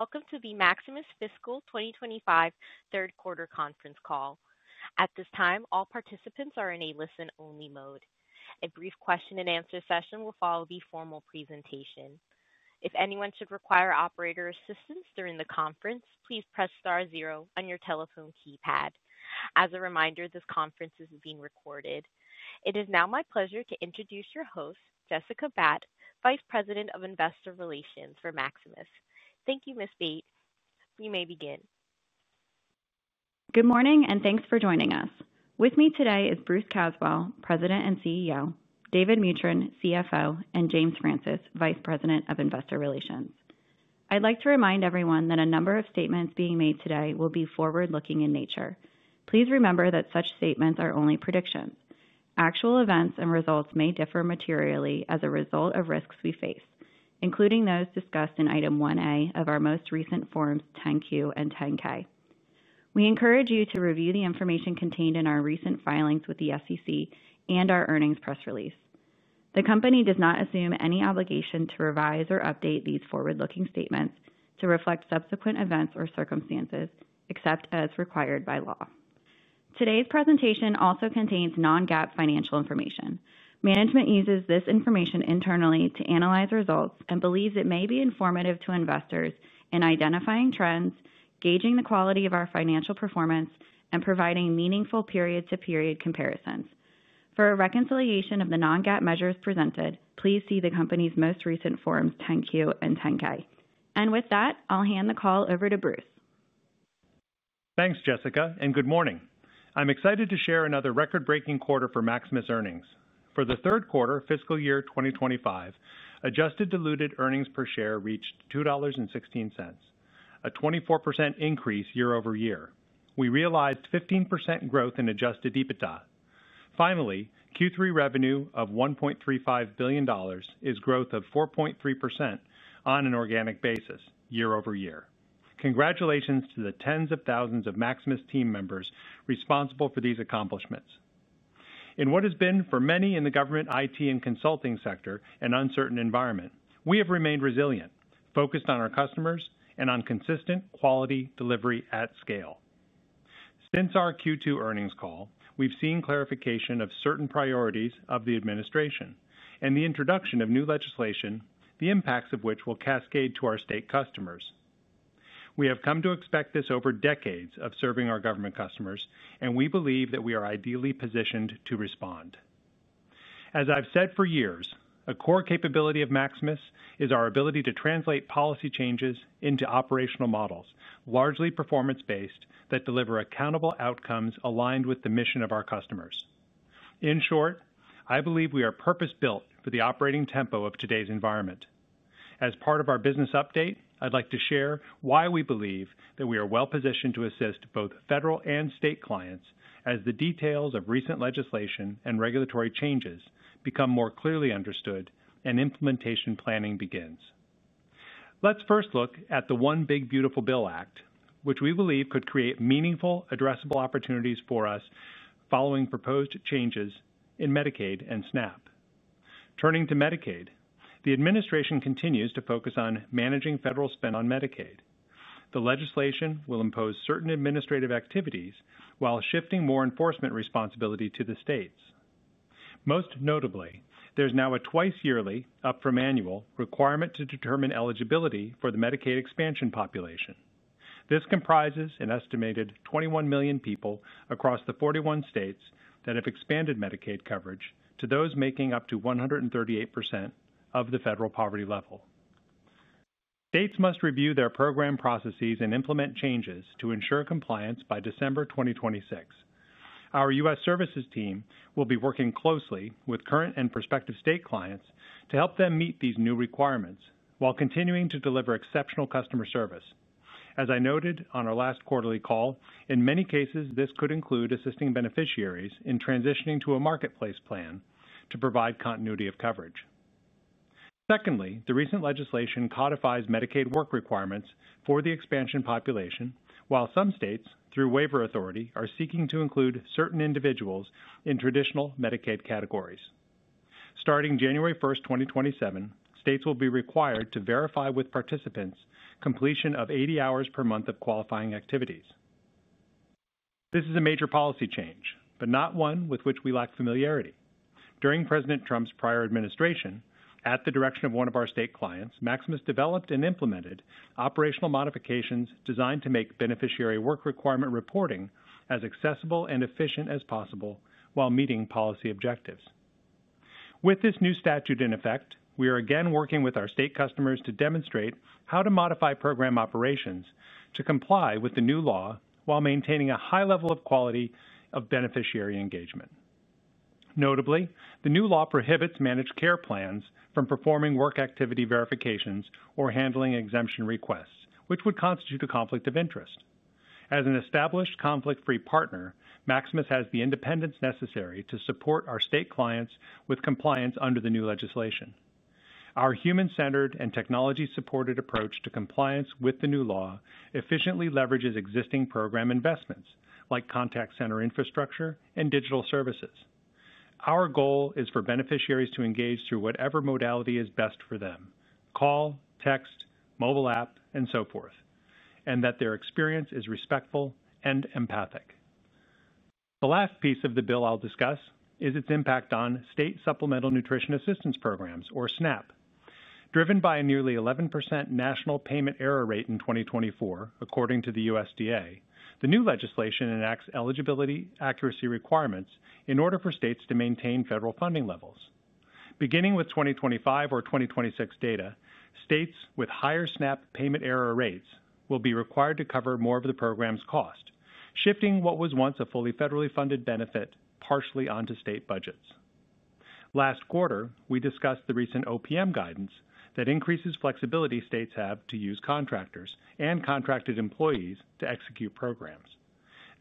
Welcome to the Maximus Inc. Fiscal 2025 Third Quarter Conference Call. At this time, all participants are in a listen-only mode. A brief question and answer session will follow the formal presentation. If anyone should require operator assistance during the conference, please press star zero on your telephone keypad. As a reminder, this conference is being recorded. It is now my pleasure to introduce your host, Jessica Batt, Vice President of Investor Relations for Maximus. Thank you, Ms. Batt. You may begin. Good morning and thanks for joining us. With me today is Bruce Caswell, President and CEO, David Mutryn, CFO, and James Francis, Vice President of Investor Relations. I'd like to remind everyone that a number of statements being made today will be forward-looking in nature. Please remember that such statements are only predictions. Actual events and results may differ materially as a result of risks we face, including those discussed in Item 1A of our most recent Forms 10-Q and 10-K. We encourage you to review the information contained in our recent filings with the SEC and our earnings press release. The company does not assume any obligation to revise or update these forward-looking statements to reflect subsequent events or circumstances except as required by law. Today's presentation also contains non-GAAP financial information. Management uses this information internally to analyze results and believes it may be informative to investors in identifying trends, gauging the quality of our financial performance, and providing meaningful period-to-period comparisons. For a reconciliation of the non-GAAP measures presented, please see the company's most recent Forms 10-Q and 10-K. With that, I'll hand the call over to Bruce. Thanks, Jessica, and good morning. I'm excited to share another record-breaking quarter for Maximus earnings. For the third quarter, fiscal year 2025, adjusted diluted earnings per share reached $2.16, a 24% increase year-over year. We realized 15% growth in adjusted EBITDA. Finally, Q3 revenue of $1.35 billion is growth of 4.3% on an organic basis, year-over-year. Congratulations to the tens of thousands of Maximus team members responsible for these accomplishments. In what has been for many in the government, IT, and consulting sector an uncertain environment, we have remained resilient, focused on our customers, and on consistent quality delivery at scale. Since our Q2 earnings call, we've seen clarification of certain priorities of the administration and the introduction of new legislation, the impacts of which will cascade to our state customers. We have come to expect this over decades of serving our government customers, and we believe that we are ideally positioned to respond. As I've said for years, a core capability of Maximus is our ability to translate policy changes into operational models, largely performance-based, that deliver accountable outcomes aligned with the mission of our customers. In short, I believe we are purpose-built for the operating tempo of today's environment. As part of our business update, I'd like to share why we believe that we are well-positioned to assist both federal and state clients as the details of recent legislation and regulatory changes become more clearly understood and implementation planning begins. Let's first look at the One Big Beautiful Bill Act, which we believe could create meaningful, addressable opportunities for us following proposed changes in Medicaid and SNAP. Turning to Medicaid, the administration continues to focus on managing federal spend on Medicaid. The legislation will impose certain administrative activities while shifting more enforcement responsibility to the states. Most notably, there's now a twice-yearly, up from annual, requirement to determine eligibility for the Medicaid expansion population. This comprises an estimated 21 million people across the 41 states that have expanded Medicaid coverage to those making up to 138% of the federal poverty level. States must review their program processes and implement changes to ensure compliance by December 2026. Our U.S. Services team will be working closely with current and prospective state clients to help them meet these new requirements while continuing to deliver exceptional customer service. As I noted on our last quarterly call, in many cases, this could include assisting beneficiaries in transitioning to a marketplace plan to provide continuity of coverage. Secondly, the recent legislation codifies Medicaid work requirements for the expansion population, while some states, through waiver authority, are seeking to include certain individuals in traditional Medicaid categories. Starting January 1st, 2027, states will be required to verify with participants completion of 80 hours per month of qualifying activities. This is a major policy change, but not one with which we lack familiarity. During President Trump's prior administration, at the direction of one of our state clients, Maximus developed and implemented operational modifications designed to make beneficiary work requirement reporting as accessible and efficient as possible while meeting policy objectives. With this new statute in effect, we are again working with our state customers to demonstrate how to modify program operations to comply with the new law while maintaining a high level of quality of beneficiary engagement. Notably, the new law prohibits managed care plans from performing work activity verifications or handling exemption requests, which would constitute a conflict of interest. As an established conflict-free partner, Maximus has the independence necessary to support our state clients with compliance under the new legislation. Our human-centered and technology-supported approach to compliance with the new law efficiently leverages existing program investments like contact center infrastructure and digital services. Our goal is for beneficiaries to engage through whatever modality is best for them: call, text, mobile app, and so forth, and that their experience is respectful and empathic. The last piece of the bill I'll discuss is its impact on state Supplemental Nutrition Assistance Programs, or SNAP. Driven by a nearly 11% national payment error rate in 2024, according to the USDA, the new legislation enacts eligibility accuracy requirements in order for states to maintain federal funding levels. Beginning with 2025 or 2026 data, states with higher SNAP payment error rates will be required to cover more of the program's cost, shifting what was once a fully federally funded benefit partially onto state budgets. Last quarter, we discussed the recent OPM guidance that increases flexibility states have to use contractors and contracted employees to execute programs.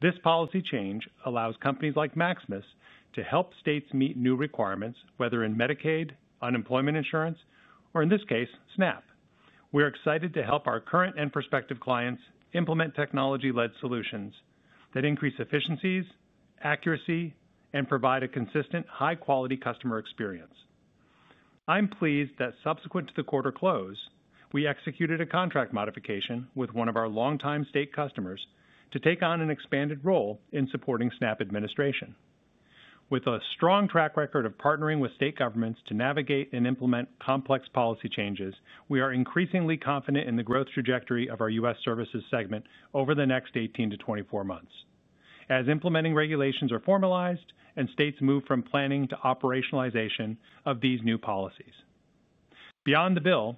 This policy change allows companies like Maximus to help states meet new requirements, whether in Medicaid, unemployment insurance, or in this case, SNAP. We are excited to help our current and prospective clients implement technology-led solutions that increase efficiencies, accuracy, and provide a consistent, high-quality customer experience. I'm pleased that subsequent to the quarter close, we executed a contract modification with one of our longtime state customers to take on an expanded role in supporting SNAP administration. With a strong track record of partnering with state governments to navigate and implement complex policy changes, we are increasingly confident in the growth trajectory of our U.S. services segment over the next 18 months-24 months, as implementing regulations are formalized and states move from planning to operationalization of these new policies. Beyond the bill,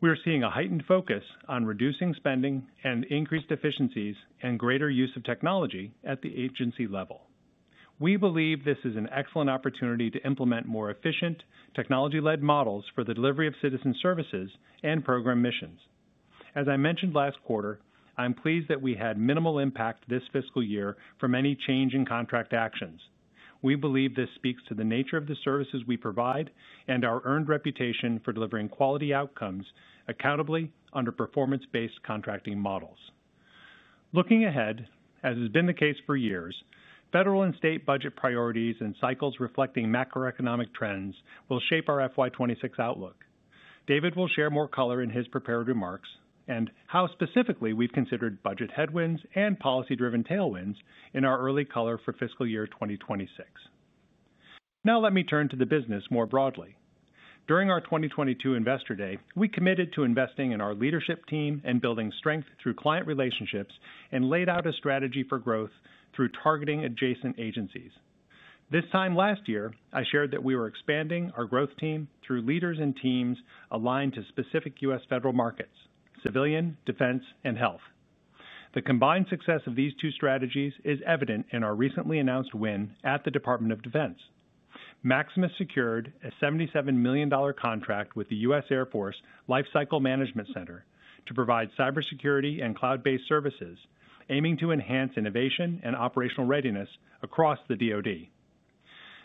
we are seeing a heightened focus on reducing spending and increased efficiencies and greater use of technology at the agency level. We believe this is an excellent opportunity to implement more efficient technology-led models for the delivery of citizen services and program missions. As I mentioned last quarter, I'm pleased that we had minimal impact this fiscal year from any change in contract actions. We believe this speaks to the nature of the services we provide and our earned reputation for delivering quality outcomes accountably under performance-based contracting models. Looking ahead, as has been the case for years, federal and state budget priorities and cycles reflecting macroeconomic trends will shape our FY 2026 outlook. David will share more color in his prepared remarks and how specifically we've considered budget headwinds and policy-driven tailwinds in our early color for fiscal year 2026. Now let me turn to the business more broadly. During our 2022 Investor Day, we committed to investing in our leadership team and building strength through client relationships and laid out a strategy for growth through targeting adjacent agencies. This time last year, I shared that we were expanding our growth team through leaders and teams aligned to specific U.S. federal markets: civilian, defense, and health. The combined success of these two strategies is evident in our recently announced win at the Department of Defense. Maximus secured a $77 million contract with the U.S. Air Force Lifecycle Management Center to provide cybersecurity and cloud-based services, aiming to enhance innovation and operational readiness across the DoD.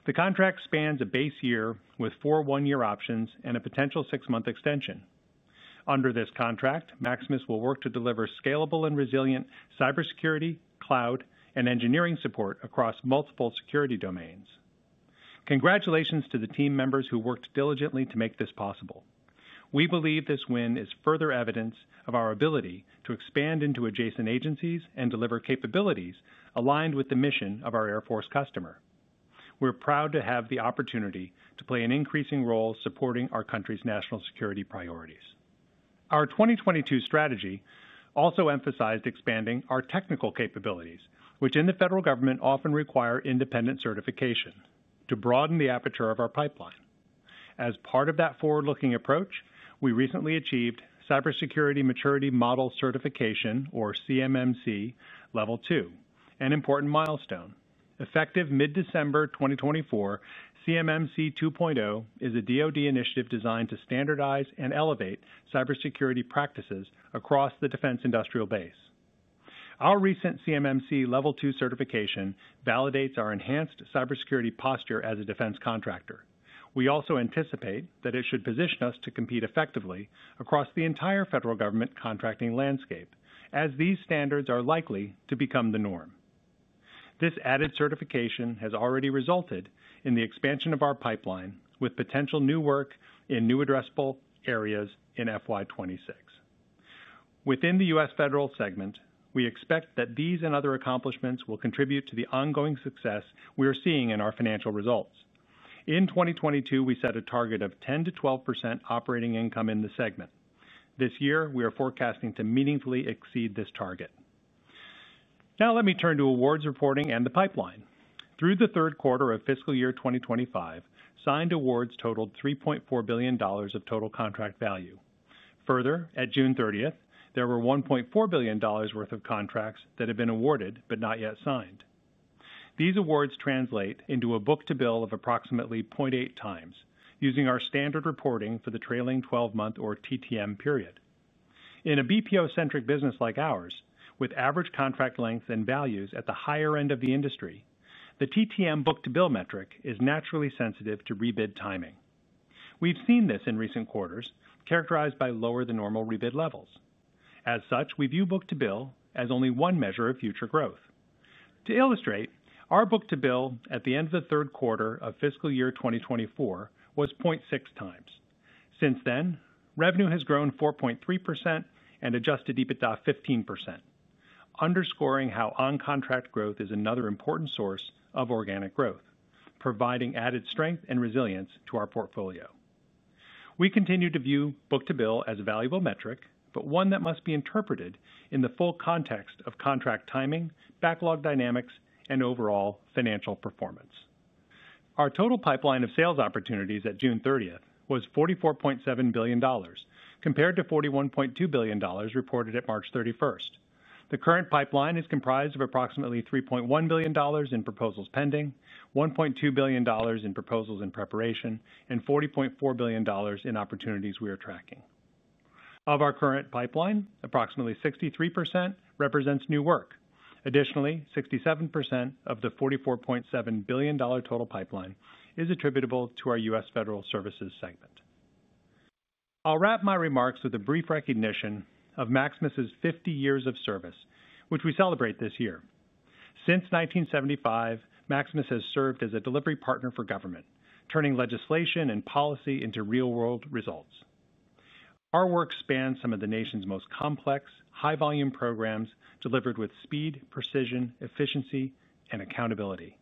The contract spans a base year with four one-year options and a potential six-month extension. Under this contract, Maximus will work to deliver scalable and resilient cybersecurity, cloud, and engineering support across multiple security domains. Congratulations to the team members who worked diligently to make this possible. We believe this win is further evidence of our ability to expand into adjacent agencies and deliver capabilities aligned with the mission of our Air Force customer. We're proud to have the opportunity to play an increasing role supporting our country's national security priorities. Our 2022 strategy also emphasized expanding our technical capabilities, which in the federal government often require independent certification, to broaden the aperture of our pipeline. As part of that forward-looking approach, we recently achieved Cybersecurity Maturity Model Certification, or CMMC, Level 2, an important milestone. Effective mid-December 2024, CMMC 2.0 is a DoD initiative designed to standardize and elevate cybersecurity practices across the Defense Industrial Base. Our recent CMMC Level 2 certification validates our enhanced cybersecurity posture as a defense contractor. We also anticipate that it should position us to compete effectively across the entire federal government contracting landscape, as these standards are likely to become the norm. This added certification has already resulted in the expansion of our pipeline with potential new work in new addressable areas in FY 2026. Within the U.S. federal segment, we expect that these and other accomplishments will contribute to the ongoing success we are seeing in our financial results. In 2022, we set a target of 10%-12% operating income in the segment. This year, we are forecasting to meaningfully exceed this target. Now let me turn to awards reporting and the pipeline. Through the third quarter of fiscal year 2025, signed awards totaled $3.4 billion of total contract value. Further, at June 30th, there were $1.4 billion worth of contracts that have been awarded but not yet signed. These awards translate into a book-to-bill of approximately 0.8x, using our standard reporting for the trailing 12-month or TTM period. In a BPO-centric business like ours, with average contract lengths and values at the higher end of the industry, the TTM book-to-bill metric is naturally sensitive to rebid timing. We have seen this in recent quarters, characterized by lower-than-normal rebid levels. As such, we view book-to-bill as only one measure of future growth. To illustrate, our book-to-bill at the end of the third quarter of fiscal year 2024 was 0.6x. Since then, revenue has grown 4.3% and adjusted EBITDA 15%, underscoring how on-contract growth is another important source of organic growth, providing added strength and resilience to our portfolio. We continue to view book-to-bill as a valuable metric, but one that must be interpreted in the full context of contract timing, backlog dynamics, and overall financial performance. Our total pipeline of sales opportunities at June 30th was $44.7 billion, compared to $41.2 billion reported at March 31st. The current pipeline is comprised of approximately $3.1 billion in proposals pending, $1.2 billion in proposals in preparation, and $40.4 billion in opportunities we are tracking. Of our current pipeline, approximately 63% represents new work. Additionally, 67% of the $44.7 billion total pipeline is attributable to our U.S. federal services segment. I'll wrap my remarks with a brief recognition of Maximus' 50 years of service, which we celebrate this year. Since 1975, Maximus has served as a delivery partner for government, turning legislation and policy into real-world results. Our work spans some of the nation's most complex, high-volume programs delivered with speed, precision, efficiency, and accountability.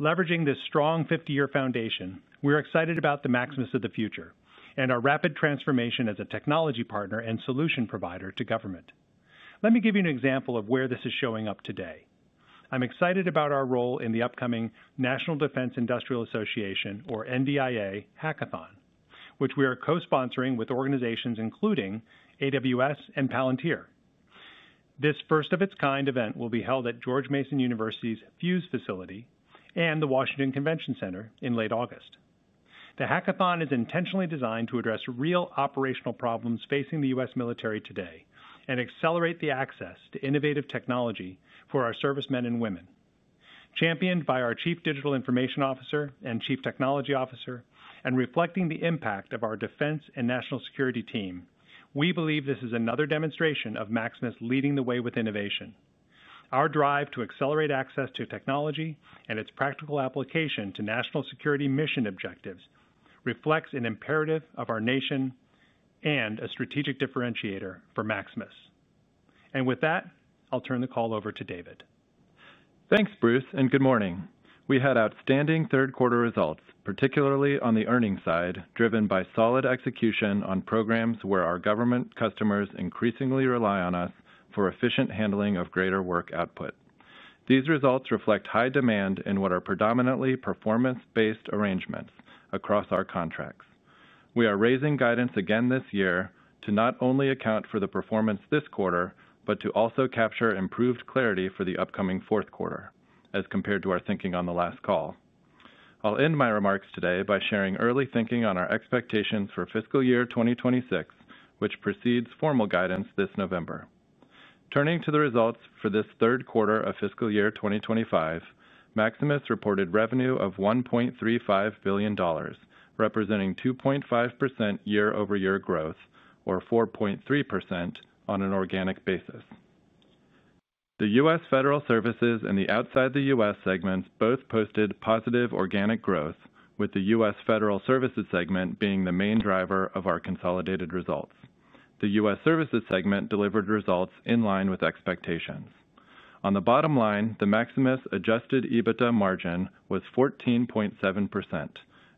Leveraging this strong 50-year foundation, we are excited about the Maximus of the future and our rapid transformation as a technology partner and solution provider to government. Let me give you an example of where this is showing up today. I'm excited about our role in the upcoming National Defense Industrial Association, or NDIA, hackathon, which we are co-sponsoring with organizations including AWS and Palantir. This first-of-its-kind event will be held at George Mason University's FUSE facility and the Washington Convention Center in late August. The hackathon is intentionally designed to address real operational problems facing the U.S. military today and accelerate the access to innovative technology for our servicemen and women. Championed by our Chief Digital Information Officer and Chief Technology Officer, and reflecting the impact of our Defense and National Security team, we believe this is another demonstration of Maximus leading the way with innovation. Our drive to accelerate access to technology and its practical application to national security mission objectives reflects an imperative of our nation and a strategic differentiator for Maximus. With that, I'll turn the call over to David. Thanks, Bruce, and good morning. We had outstanding third-quarter results, particularly on the earnings side, driven by solid execution on programs where our government customers increasingly rely on us for efficient handling of greater work output. These results reflect high demand in what are predominantly performance-based arrangements across our contracts. We are raising guidance again this year to not only account for the performance this quarter, but to also capture improved clarity for the upcoming fourth quarter, as compared to our thinking on the last call. I'll end my remarks today by sharing early thinking on our expectations for fiscal year 2026, which precedes formal guidance this November. Turning to the results for this third quarter of fiscal year 2025, Maximus reported revenue of $1.35 billion, representing 2.5% year-over-year growth, or 4.3% on an organic basis. The U.S. federal services and the outside-the-U.S. segments both posted positive organic growth, with the U.S. federal services segment being the main driver of our consolidated results. The U.S. services segment delivered results in line with expectations. On the bottom line, the Maximus adjusted EBITDA margin was 14.7%,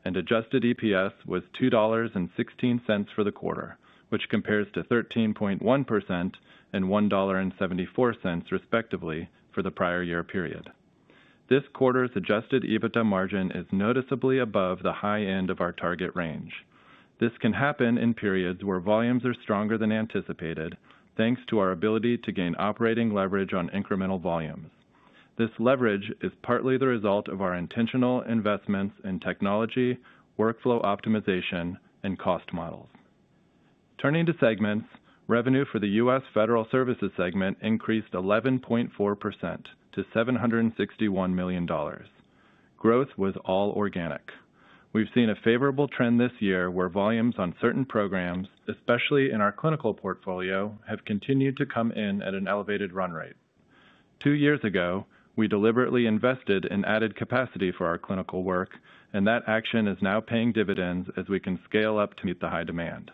and adjusted EPS was $2.16 for the quarter, which compares to 13.1% and $1.74 respectively for the prior year period. This quarter's adjusted EBITDA margin is noticeably above the high end of our target range. This can happen in periods where volumes are stronger than anticipated, thanks to our ability to gain operating leverage on incremental volume. This leverage is partly the result of our intentional investments in technology, workflow optimization, and cost models. Turning to segments, revenue for the U.S. federal services segment increased 11.4% to $761 million. Growth was all organic. We've seen a favorable trend this year where volumes on certain programs, especially in our clinical portfolio, have continued to come in at an elevated run rate. Two years ago, we deliberately invested in added capacity for our clinical work, and that action is now paying dividends as we can scale up to meet the high demand.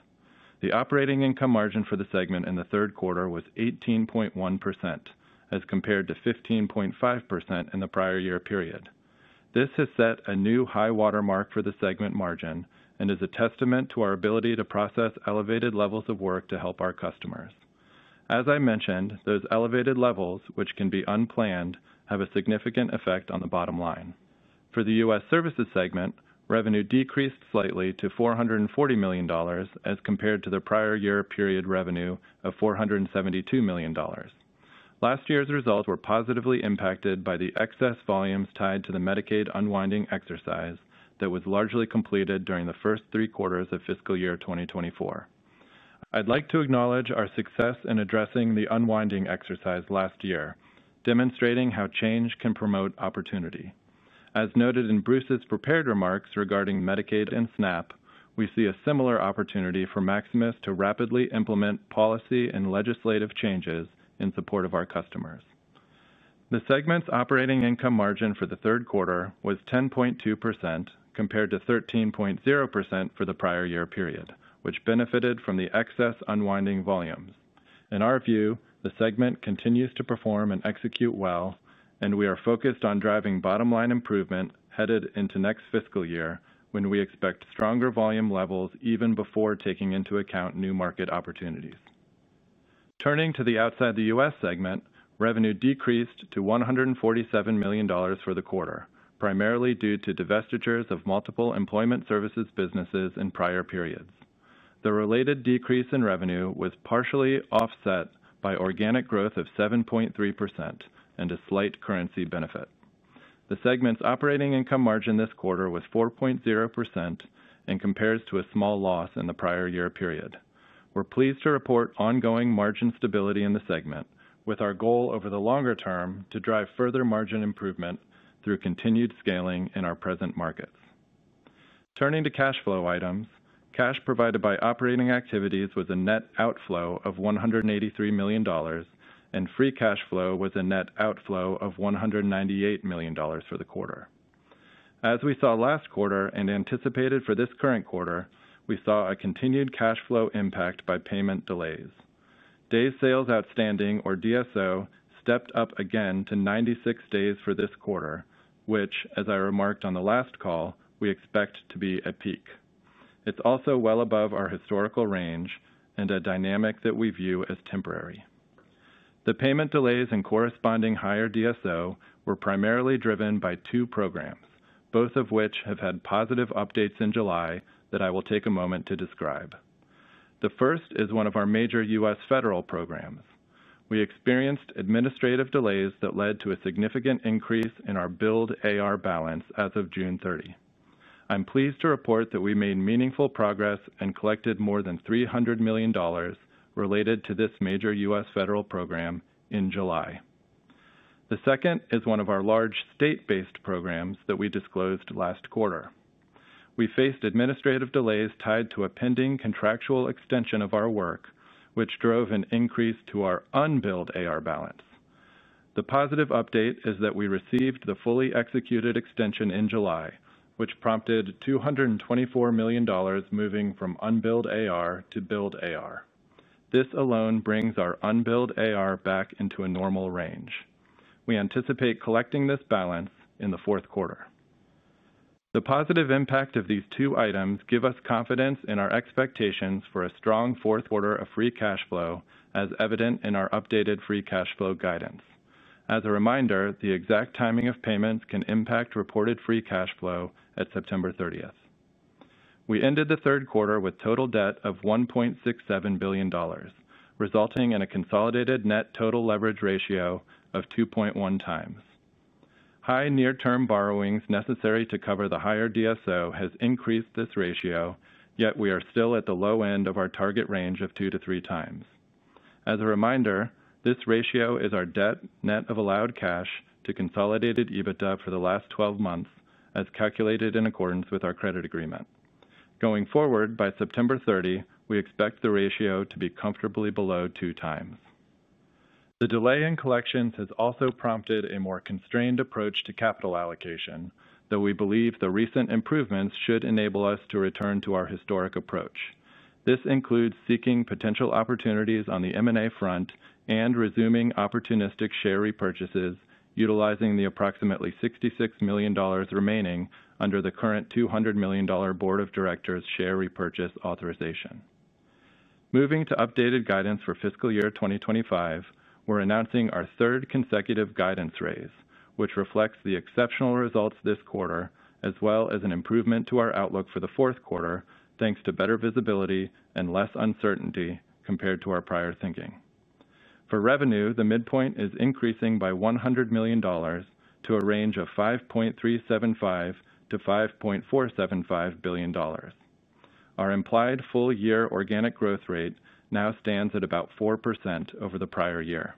The operating income margin for the segment in the third quarter was 18.1%, as compared to 15.5% in the prior year period. This has set a new high watermark for the segment margin and is a testament to our ability to process elevated levels of work to help our customers. As I mentioned, those elevated levels, which can be unplanned, have a significant effect on the bottom line. For the U.S. services segment, revenue decreased slightly to $440 million, as compared to the prior year period revenue of $472 million. Last year's results were positively impacted by the excess volumes tied to the Medicaid unwinding exercise that was largely completed during the first three quarters of fiscal year 2024. I'd like to acknowledge our success in addressing the unwinding exercise last year, demonstrating how change can promote opportunity. As noted in Bruce's prepared remarks regarding Medicaid and SNAP, we see a similar opportunity for Maximus to rapidly implement policy and legislative changes in support of our customers. The segment's operating income margin for the third quarter was 10.2% compared to 13.0% for the prior year period, which benefited from the excess unwinding volumes. In our view, the segment continues to perform and execute well, and we are focused on driving bottom-line improvement headed into next fiscal year, when we expect stronger volume levels even before taking into account new market opportunities. Turning to the outside-the-U.S. segment, revenue decreased to $147 million for the quarter, primarily due to divestitures of multiple employment services businesses in prior periods. The related decrease in revenue was partially offset by organic growth of 7.3% and a slight currency benefit. The segment's operating income margin this quarter was 4.0% and compares to a small loss in the prior year period. We're pleased to report ongoing margin stability in the segment, with our goal over the longer term to drive further margin improvement through continued scaling in our present markets. Turning to cash flow items, cash provided by operating activities was a net outflow of $183 million, and free cash flow was a net outflow of $198 million for the quarter. As we saw last quarter and anticipated for this current quarter, we saw a continued cash flow impact by payment delays. Days sales outstanding, or DSO, stepped up again to 96 days for this quarter, which, as I remarked on the last call, we expect to be at peak. It's also well above our historical range and a dynamic that we view as temporary. The payment delays and corresponding higher DSO were primarily driven by two programs, both of which have had positive updates in July that I will take a moment to describe. The first is one of our major U.S. federal programs. We experienced administrative delays that led to a significant increase in our billed AR balance as of June 30. I'm pleased to report that we made meaningful progress and collected more than $300 million related to this major U.S. federal program in July. The second is one of our large state-based programs that we disclosed last quarter. We faced administrative delays tied to a pending contractual extension of our work, which drove an increase to our unbilled AR balance. The positive update is that we received the fully executed extension in July, which prompted $224 million moving from unbilled AR to billed AR. This alone brings our unbilled AR back into a normal range. We anticipate collecting this balance in the fourth quarter. The positive impact of these two items gives us confidence in our expectations for a strong fourth quarter of free cash flow, as evident in our updated free cash flow guidance. As a reminder, the exact timing of payments can impact reported free cash flow at September 30th. We ended the third quarter with total debt of $1.67 billion, resulting in a consolidated net total leverage ratio of 2.1x. High near-term borrowings necessary to cover the higher DSO has increased this ratio, yet we are still at the low end of our target range of 2x-3x. As a reminder, this ratio is our debt net of allowed cash to consolidated EBITDA for the last 12 months, as calculated in accordance with our credit agreement. Going forward, by September 30, we expect the ratio to be comfortably below 2x. The delay in collections has also prompted a more constrained approach to capital allocation, though we believe the recent improvements should enable us to return to our historic approach. This includes seeking potential opportunities on the M&A front and resuming opportunistic share repurchases, utilizing the approximately $66 million remaining under the current $200 million Board of Directors share repurchase authorization. Moving to updated guidance for fiscal year 2025, we're announcing our third consecutive guidance raise, which reflects the exceptional results this quarter, as well as an improvement to our outlook for the fourth quarter, thanks to better visibility and less uncertainty compared to our prior thinking. For revenue, the midpoint is increasing by $100 million to a range of $5.375 billion-$5.475 billion. Our implied full-year organic growth rate now stands at about 4% over the prior year.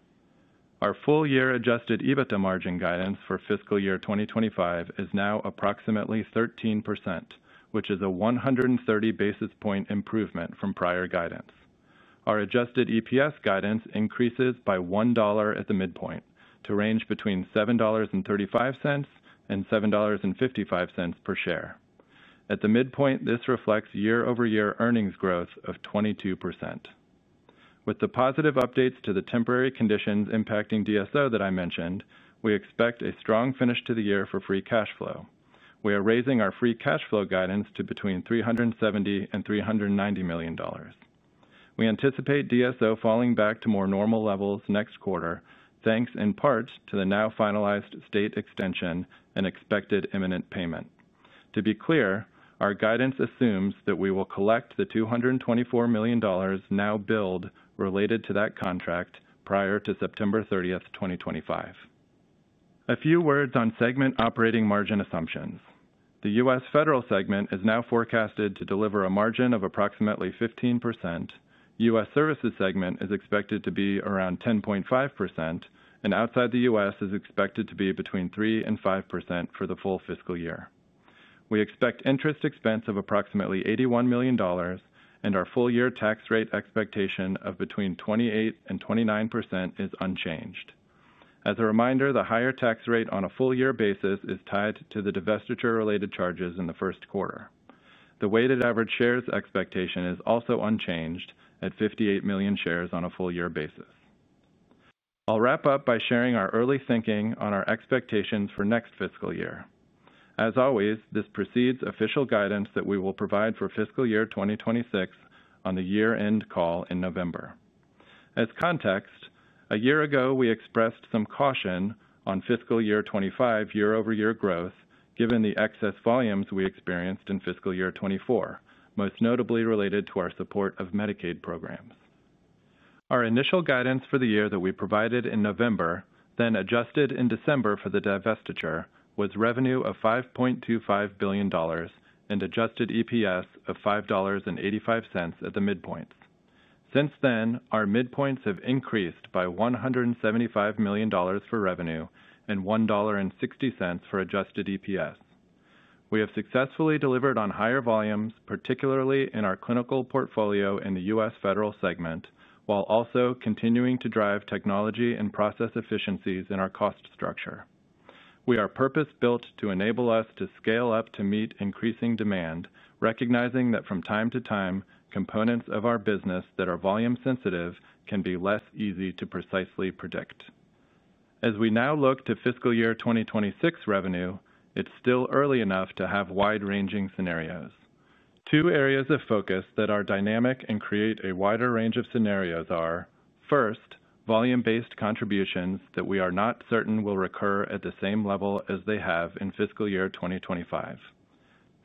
Our full-year adjusted EBITDA margin guidance for fiscal year 2025 is now approximately 13%, which is a 130 basis point improvement from prior guidance. Our adjusted EPS guidance increases by $1 at the midpoint, to range between $7.35 and $7.55 per share. At the midpoint, this reflects year-over-year earnings growth of 22%. With the positive updates to the temporary conditions impacting DSO that I mentioned, we expect a strong finish to the year for free cash flow. We are raising our free cash flow guidance to between $370 million and $390 million. We anticipate DSO falling back to more normal levels next quarter, thanks in part to the now finalized state extension and expected imminent payment. To be clear, our guidance assumes that we will collect the $224 million now billed related to that contract prior to September 30th, 2025. A few words on segment operating margin assumptions. The U.S. federal segment is now forecasted to deliver a margin of approximately 15%, U.S. services segment is expected to be around 10.5%, and outside the U.S. is expected to be between 3% and 5% for the full fiscal year. We expect interest expense of approximately $81 million, and our full-year tax rate expectation of between 28% and 29% is unchanged. As a reminder, the higher tax rate on a full-year basis is tied to the divestiture-related charges in the first quarter. The weighted average shares expectation is also unchanged at 58 million shares on a full-year basis. I'll wrap up by sharing our early thinking on our expectations for next fiscal year. As always, this precedes official guidance that we will provide for fiscal year 2026 on the year-end call in November. As context, a year ago we expressed some caution on fiscal year 2025 year-over-year growth, given the excess volumes we experienced in fiscal year 2024, most notably related to our support of Medicaid programs. Our initial guidance for the year that we provided in November, then adjusted in December for the divestiture, was revenue of $5.25 billion and adjusted EPS of $5.85 at the midpoints. Since then, our midpoints have increased by $175 million for revenue and $1.60 for adjusted EPS. We have successfully delivered on higher volumes, particularly in our clinical portfolio in the U.S. federal segment, while also continuing to drive technology and process efficiencies in our cost structure. We are purpose-built to enable us to scale up to meet increasing demand, recognizing that from time to time, components of our business that are volume-sensitive can be less easy to precisely predict. As we now look to fiscal year 2026 revenue, it's still early enough to have wide-ranging scenarios. Two areas of focus that are dynamic and create a wider range of scenarios are: first, volume-based contributions that we are not certain will recur at the same level as they have in fiscal year 2025.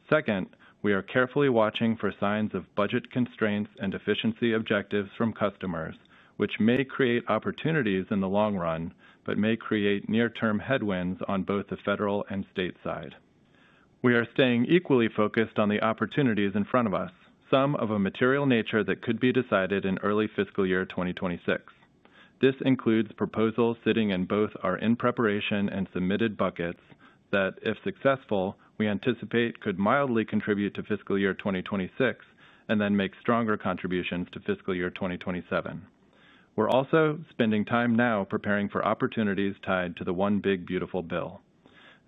Second, we are carefully watching for signs of budget constraints and efficiency objectives from customers, which may create opportunities in the long run, but may create near-term headwinds on both the federal and state side. We are staying equally focused on the opportunities in front of us, some of a material nature that could be decided in early fiscal year 2026. This includes proposals sitting in both our in-preparation and submitted buckets that, if successful, we anticipate could mildly contribute to fiscal year 2026 and then make stronger contributions to fiscal year 2027. We're also spending time now preparing for opportunities tied to the One Big Beautiful Bill.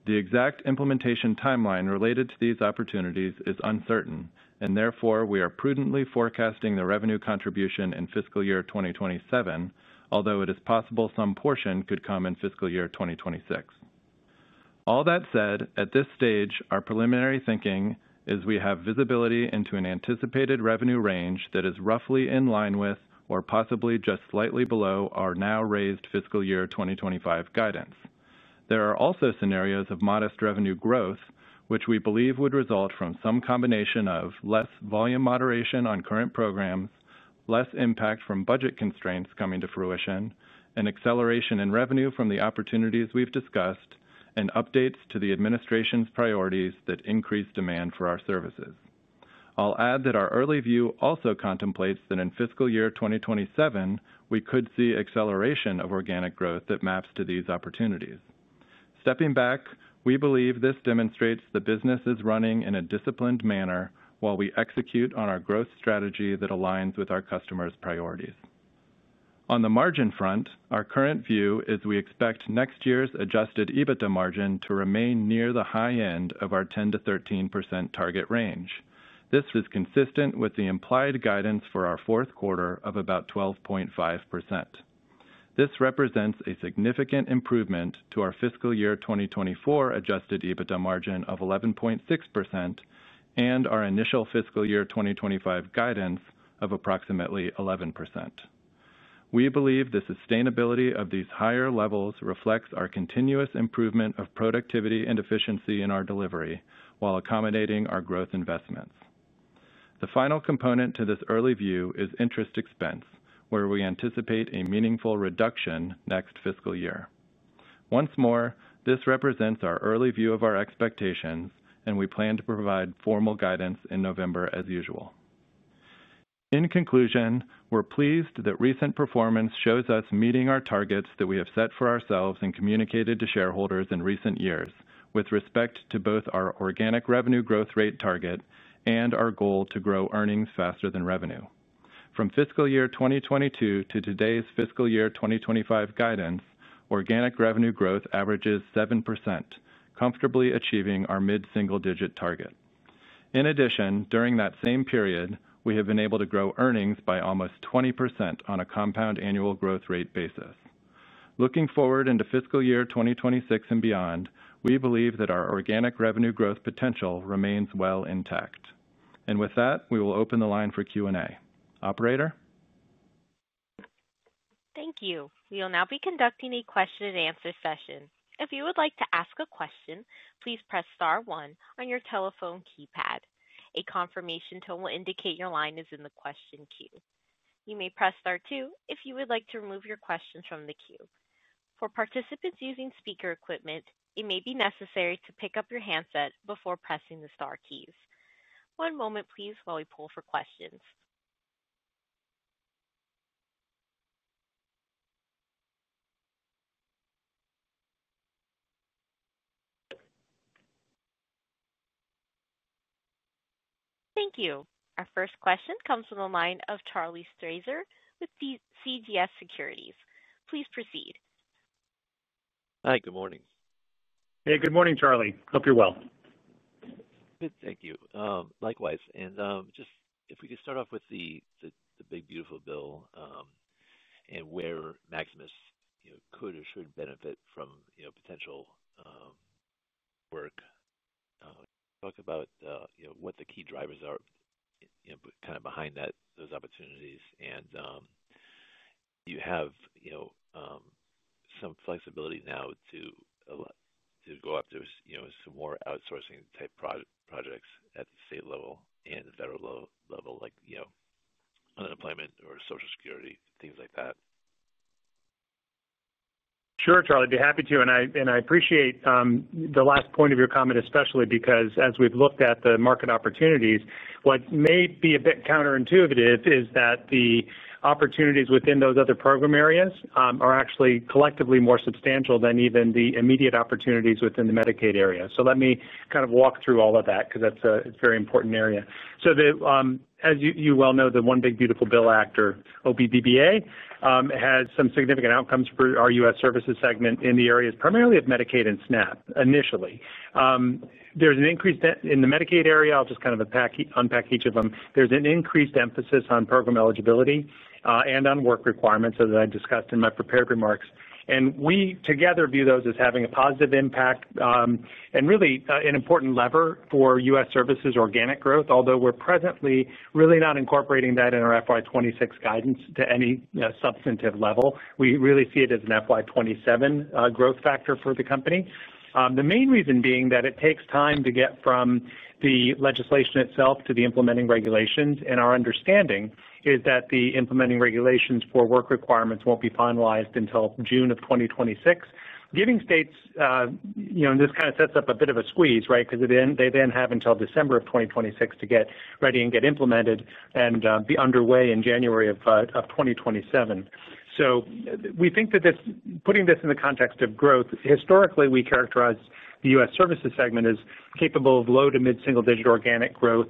The exact implementation timeline related to these opportunities is uncertain, and therefore we are prudently forecasting the revenue contribution in fiscal year 2027, although it is possible some portion could come in fiscal year 2026. All that said, at this stage, our preliminary thinking is we have visibility into an anticipated revenue range that is roughly in line with, or possibly just slightly below, our now raised fiscal year 2025 guidance. There are also scenarios of modest revenue growth, which we believe would result from some combination of less volume moderation on current programs, less impact from budget constraints coming to fruition, an acceleration in revenue from the opportunities we've discussed, and updates to the administration's priorities that increase demand for our services. I'll add that our early view also contemplates that in fiscal year 2027, we could see acceleration of organic growth that maps to these opportunities. Stepping back, we believe this demonstrates the business is running in a disciplined manner while we execute on our growth strategy that aligns with our customers' priorities. On the margin front, our current view is we expect next year's adjusted EBITDA margin to remain near the high end of our 10%-13% target range. This is consistent with the implied guidance for our fourth quarter of about 12.5%. This represents a significant improvement to our fiscal year 2024 adjusted EBITDA margin of 11.6% and our initial fiscal year 2025 guidance of approximately 11%. We believe the sustainability of these higher levels reflects our continuous improvement of productivity and efficiency in our delivery while accommodating our growth investments. The final component to this early view is interest expense, where we anticipate a meaningful reduction next fiscal year. Once more, this represents our early view of our expectations, and we plan to provide formal guidance in November as usual. In conclusion, we're pleased that recent performance shows us meeting our targets that we have set for ourselves and communicated to shareholders in recent years, with respect to both our organic revenue growth rate target and our goal to grow earnings faster than revenue. From fiscal year 2022 to today's fiscal year 2025 guidance, organic revenue growth averages 7%, comfortably achieving our mid-single-digit target. In addition, during that same period, we have been able to grow earnings by almost 20% on a compound annual growth rate basis. Looking forward into fiscal year 2026 and beyond, we believe that our organic revenue growth potential remains well intact. With that, we will open the line for Q&A. Operator? Thank you. We will now be conducting a question and answer session. If you would like to ask a question, please press star one on your telephone keypad. A confirmation tone will indicate your line is in the question queue. You may press star two if you would like to remove your question from the queue. For participants using speaker equipment, it may be necessary to pick up your handset before pressing the star keys. One moment, please, while we pull for questions. Thank you. Our first question comes from the line of Charlie Strauzer with CJS Securities. Please proceed. Hi, good morning. Hey, good morning, Charlie. Hope you're well. Good, thank you. Likewise. If we could start off with the One Big Beautiful Bill Act and where Maximus could or should benefit from potential work, talk about what the key drivers are behind those opportunities. You have some flexibility now to go after some more outsourcing-type projects at the state level and the federal level, like unemployment or Social Security, things like that. Sure, Charlie. I'd be happy to. I appreciate the last point of your comment, especially because as we've looked at the market opportunities, what may be a bit counterintuitive is that the opportunities within those other program areas are actually collectively more substantial than even the immediate opportunities within the Medicaid area. Let me kind of walk through all of that because that's a very important area. As you well know, the One Big Beautiful Bill Act, or OBBBA, has some significant outcomes for our U.S. services segment in the areas primarily of Medicaid and SNAP initially. There's an increase in the Medicaid area. I'll just kind of unpack each of them. There's an increased emphasis on program eligibility and on work requirements as I discussed in my prepared remarks. We together view those as having a positive impact and really an important lever for U.S. services organic growth, although we're presently really not incorporating that in our FY 2026 guidance to any substantive level. We really see it as an FY 2027 growth factor for the company, the main reason being that it takes time to get from the legislation itself to the implementing regulations. Our understanding is that the implementing regulations for work requirements won't be finalized until June of 2026, giving states, you know, and this kind of sets up a bit of a squeeze, right? They then have until December of 2026 to get ready and get implemented and be underway in January of 2027. We think that putting this in the context of growth, historically, we characterize the U.S. services segment as capable of low to mid-single-digit organic growth,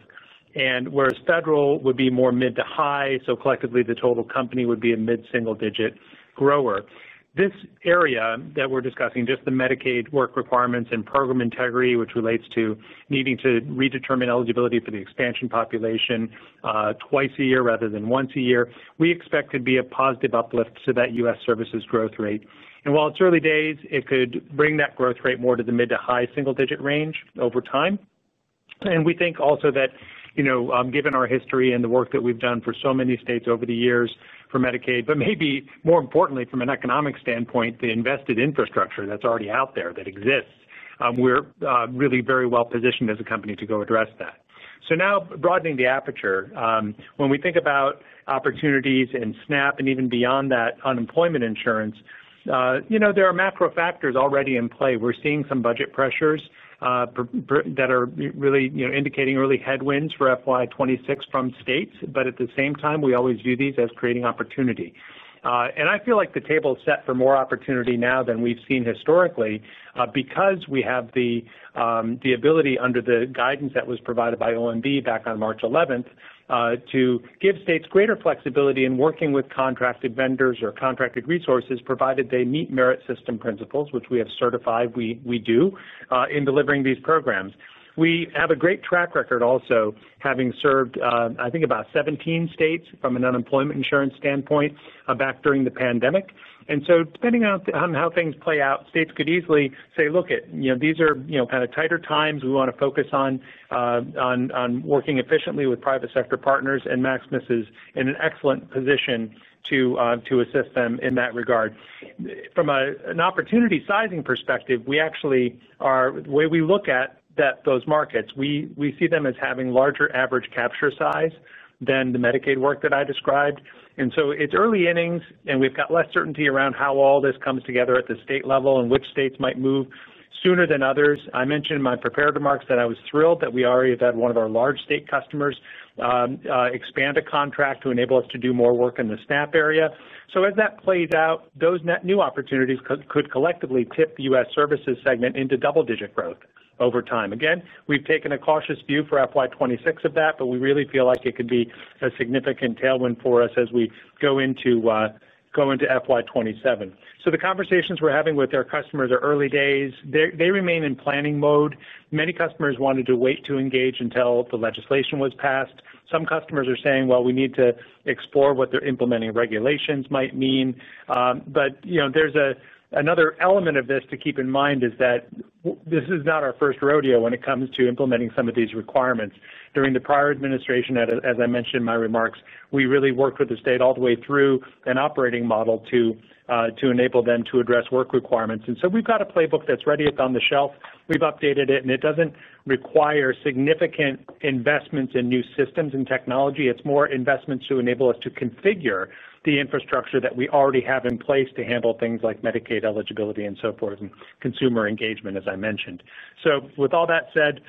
whereas federal would be more mid to high. Collectively, the total company would be a mid-single-digit grower. This area that we're discussing, just the Medicaid work requirements and program integrity, which relates to needing to redetermine eligibility for the expansion population twice a year rather than once a year, we expect to be a positive uplift to that U.S. services growth rate. While it's early days, it could bring that growth rate more to the mid to high single-digit range over time. We think also that, you know, given our history and the work that we've done for so many states over the years for Medicaid, but maybe more importantly from an economic standpoint, the invested infrastructure that's already out there that exists, we're really very well positioned as a company to go address that. Now, broadening the aperture, when we think about opportunities in SNAP and even beyond that, unemployment insurance, you know, there are macro factors already in play. We're seeing some budget pressures that are really indicating early headwinds for FY 2026 from states. At the same time, we always view these as creating opportunity. I feel like the table is set for more opportunity now than we've seen historically because we have the ability under the guidance that was provided by OMB back on March 11th to give states greater flexibility in working with contracted vendors or contracted resources, provided they meet merit system principles, which we have certified we do in delivering these programs. We have a great track record also having served, I think, about 17 states from an unemployment insurance standpoint back during the pandemic. Depending on how things play out, states could easily say, look, these are kind of tighter times. We want to focus on working efficiently with private sector partners, and Maximus is in an excellent position to assist them in that regard. From an opportunity sizing perspective, we actually are the way we look at those markets. We see them as having larger average capture size than the Medicaid work that I described. It's early innings, and we've got less certainty around how all this comes together at the state level and which states might move sooner than others. I mentioned in my prepared remarks that I was thrilled that we already had one of our large state customers expand a contract to enable us to do more work in the SNAP area. As that plays out, those net new opportunities could collectively tip the U.S. services segment into double-digit growth over time. Again, we've taken a cautious view for FY 2026 of that, but we really feel like it could be a significant tailwind for us as we go into FY 2027. The conversations we're having with our customers are early days. They remain in planning mode. Many customers wanted to wait to engage until the legislation was passed. Some customers are saying we need to explore what the implementing regulations might mean. There's another element of this to keep in mind. This is not our first rodeo when it comes to implementing some of these requirements. During the prior administration, as I mentioned in my remarks, we really worked with the state all the way through an operating model to enable them to address work requirements. We've got a playbook that's ready. It's on the shelf. We've updated it, and it doesn't require significant investments in new systems and technology. It's more investments to enable us to configure the infrastructure that we already have in place to handle things like Medicaid eligibility and so forth, and consumer engagement, as I mentioned. With all that said,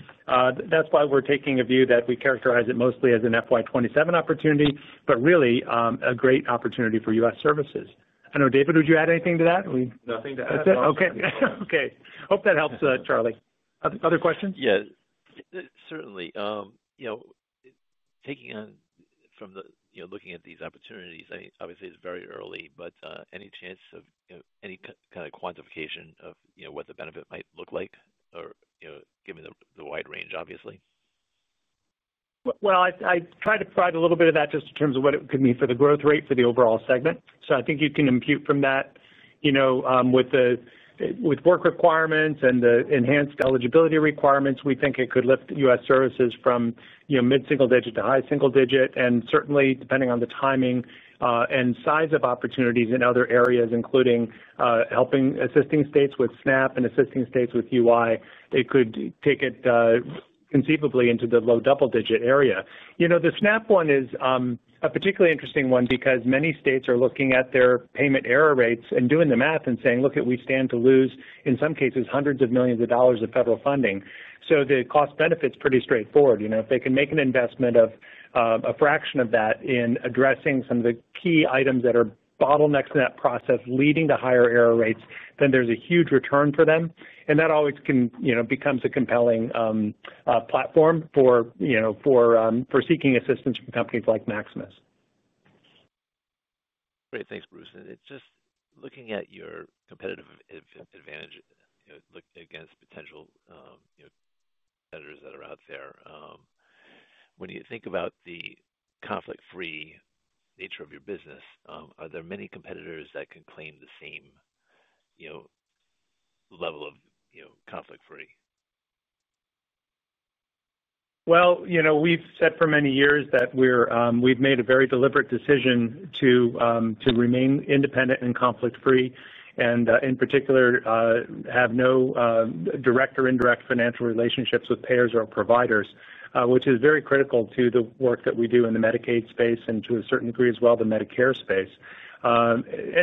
that's why we're taking a view that we characterize it mostly as an FY 2027 opportunity, but really a great opportunity for U.S. services. I know, David, would you add anything to that? Nothing to add at all. Okay. Hope that helps, Charlie. Other questions? Yeah, certainly. You know, taking on from looking at these opportunities, obviously it's very early, but any chance of any kind of quantification of what the benefit might look like, or given the wide range, obviously? I tried to provide a little bit of that just in terms of what it could mean for the growth rate for the overall segment. I think you can impute from that, you know, with the work requirements and the enhanced eligibility requirements, we think it could lift U.S. services from mid-single-digit to high-single-digit. Certainly, depending on the timing and size of opportunities in other areas, including helping assisting states with SNAP and assisting states with UI, it could take it conceivably into the low double-digit area. The SNAP one is a particularly interesting one because many states are looking at their payment error rates and doing the math and saying, look, we stand to lose, in some cases, hundreds of millions of dollars of federal funding. The cost-benefit is pretty straightforward. If they can make an investment of a fraction of that in addressing some of the key items that are bottlenecks in that process leading to higher error rates, then there's a huge return for them. That always becomes a compelling platform for seeking assistance from companies like Maximus. Great, thanks, Bruce. It's just looking at your competitive advantage, looking against potential competitors that are out there. When you think about the conflict-free nature of your business, are there many competitors that can claim the same level of conflict-free? You know, we've said for many years that we've made a very deliberate decision to remain independent and conflict-free, and in particular, have no direct or indirect financial relationships with payers or providers, which is very critical to the work that we do in the Medicaid space and to a certain degree as well the Medicare space.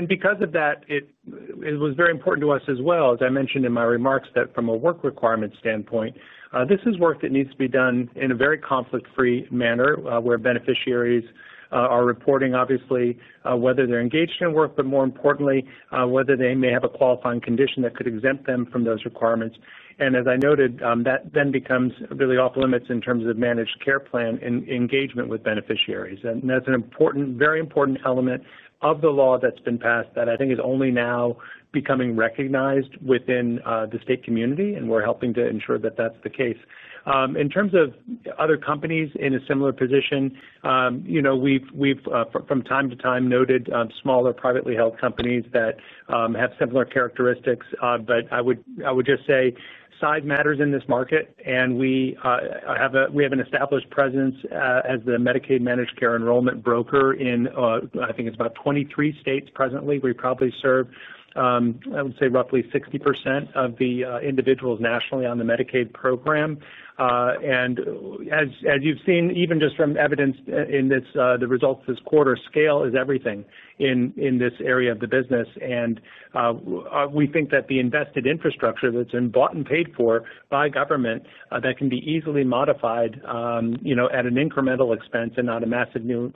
Because of that, it was very important to us as well, as I mentioned in my remarks, that from a work requirement standpoint, this is work that needs to be done in a very conflict-free manner where beneficiaries are reporting, obviously, whether they're engaged in work, but more importantly, whether they may have a qualifying condition that could exempt them from those requirements. As I noted, that then becomes really off-limits in terms of managed care plan and engagement with beneficiaries. That's an important, very important element of the law that's been passed that I think is only now becoming recognized within the state community, and we're helping to ensure that that's the case. In terms of other companies in a similar position, we've from time to time noted smaller privately held companies that have similar characteristics. I would just say size matters in this market, and we have an established presence as the Medicaid managed care enrollment broker in, I think it's about 23 states presently. We probably serve, I would say, roughly 60% of the individuals nationally on the Medicaid program. As you've seen, even just from evidence in the results of this quarter, scale is everything in this area of the business. We think that the invested infrastructure that's been bought and paid for by government that can be easily modified at an incremental expense and not a massive new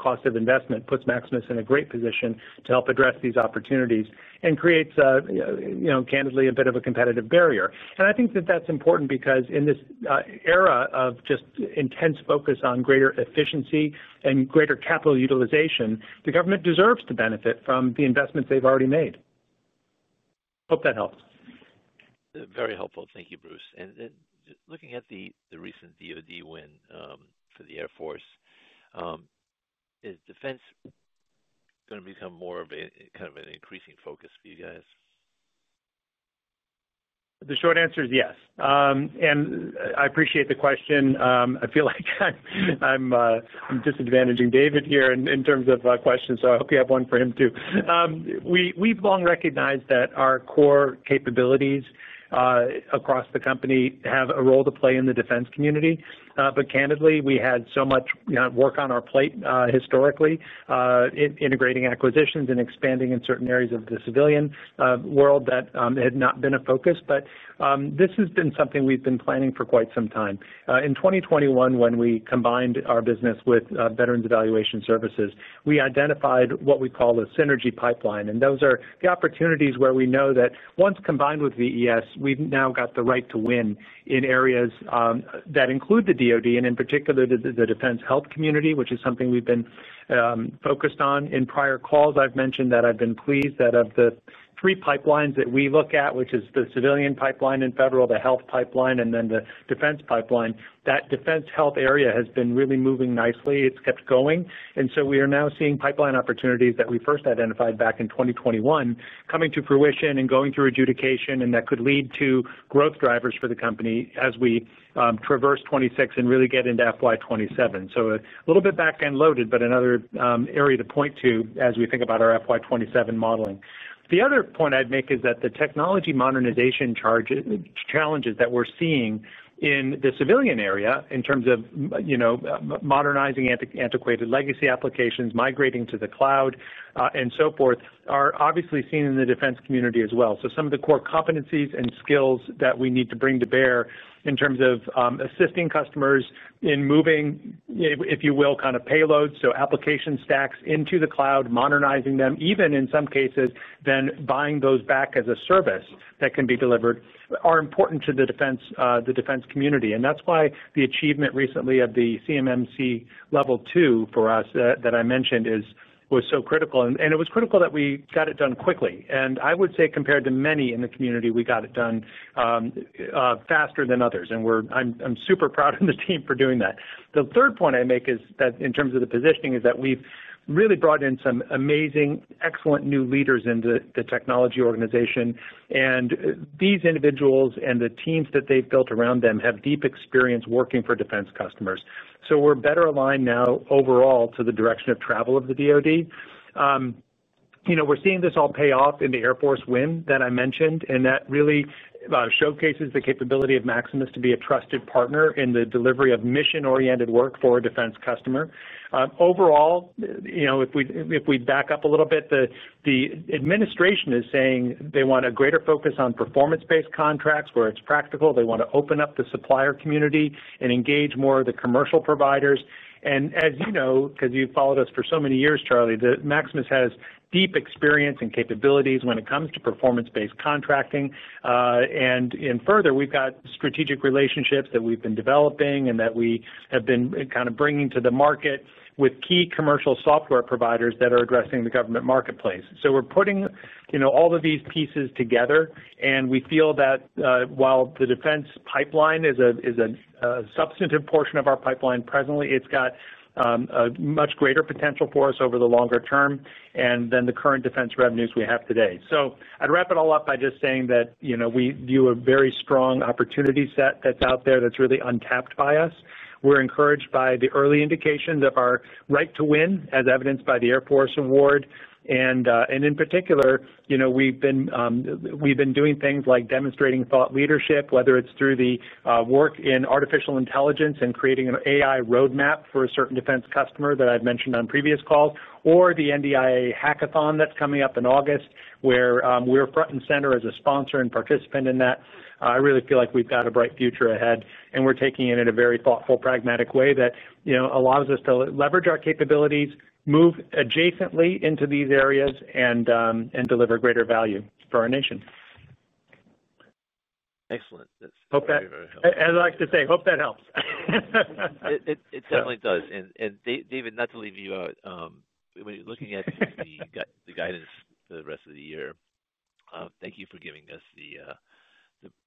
cost of investment puts Maximus in a great position to help address these opportunities and creates, candidly, a bit of a competitive barrier. I think that that's important because in this era of just intense focus on greater efficiency and greater capital utilization, the government deserves to benefit from the investments they've already made. Hope that helps. Very helpful. Thank you, Bruce. Looking at the recent DOD win for the Air Force, is defense going to become more of an increasing focus for you guys? The short answer is yes. I appreciate the question. I feel like I'm disadvantaging David here in terms of questions, so I hope you have one for him too. We've long recognized that our core capabilities across the company have a role to play in the defense community. Candidly, we had so much work on our plate historically in integrating acquisitions and expanding in certain areas of the civilian world that had not been a focus. This has been something we've been planning for quite some time. In 2021, when we combined our business with Veterans Evaluation Services, we identified what we call a synergy pipeline. Those are the opportunities where we know that once combined with VES, we've now got the right to win in areas that include the DOD and in particular the defense health community, which is something we've been focused on. In prior calls, I've mentioned that I've been pleased that of the three pipelines that we look at, which is the civilian pipeline and federal, the health pipeline, and then the defense pipeline, that defense health area has been really moving nicely. It's kept going. We are now seeing pipeline opportunities that we first identified back in 2021 coming to fruition and going through adjudication, and that could lead to growth drivers for the company as we traverse 2026 and really get into FY 2027. A little bit back and loaded, but another area to point to as we think about our FY 2027 modeling. The other point I'd make is that the technology modernization challenges that we're seeing in the civilian area in terms of modernizing antiquated legacy applications, migrating to the cloud, and so forth are obviously seen in the defense community as well. Some of the core competencies and skills that we need to bring to bear in terms of assisting customers in moving, if you will, kind of payloads, so application stacks into the cloud, modernizing them, even in some cases, then buying those back as a service that can be delivered are important to the defense community. That's why the achievement recently of the CMMC Level 2 for us that I mentioned was so critical. It was critical that we got it done quickly. I would say compared to many in the community, we got it done faster than others. I'm super proud of the team for doing that. The third point I make is that in terms of the positioning is that we've really brought in some amazing, excellent new leaders in the technology organization. These individuals and the teams that they've built around them have deep experience working for defense customers. We're better aligned now overall to the direction of travel of the DOD. We're seeing this all pay off in the Air Force win that I mentioned, and that really showcases the capability of Maximus Inc. to be a trusted partner in the delivery of mission-oriented work for a defense customer. If we back up a little bit, the administration is saying they want a greater focus on performance-based contracts where it's practical. They want to open up the supplier community and engage more of the commercial providers. As you know, because you've followed us for so many years, Charlie, Maximus has deep experience and capabilities when it comes to performance-based contracting. Further, we've got strategic relationships that we've been developing and that we have been kind of bringing to the market with key commercial software providers that are addressing the government marketplace. We're putting all of these pieces together. We feel that while the defense pipeline is a substantive portion of our pipeline presently, it's got a much greater potential for us over the longer term than the current defense revenues we have today. I'd wrap it all up by just saying that we view a very strong opportunity set that's out there that's really untapped by us. We're encouraged by the early indications of our right to win, as evidenced by the Air Force Award. In particular, we've been doing things like demonstrating thought leadership, whether it's through the work in artificial intelligence and creating an AI roadmap for a certain defense customer that I've mentioned on previous calls, or the NDIA hackathon that's coming up in August, where we're front and center as a sponsor and participant in that. I really feel like we've got a bright future ahead, and we're taking it in a very thoughtful, pragmatic way that allows us to leverage our capabilities, move adjacently into these areas, and deliver greater value for our nation. Excellent. Hope that helps. It definitely does. David, not to leave you out, when you're looking at the guidance for the rest of the year, thank you for giving us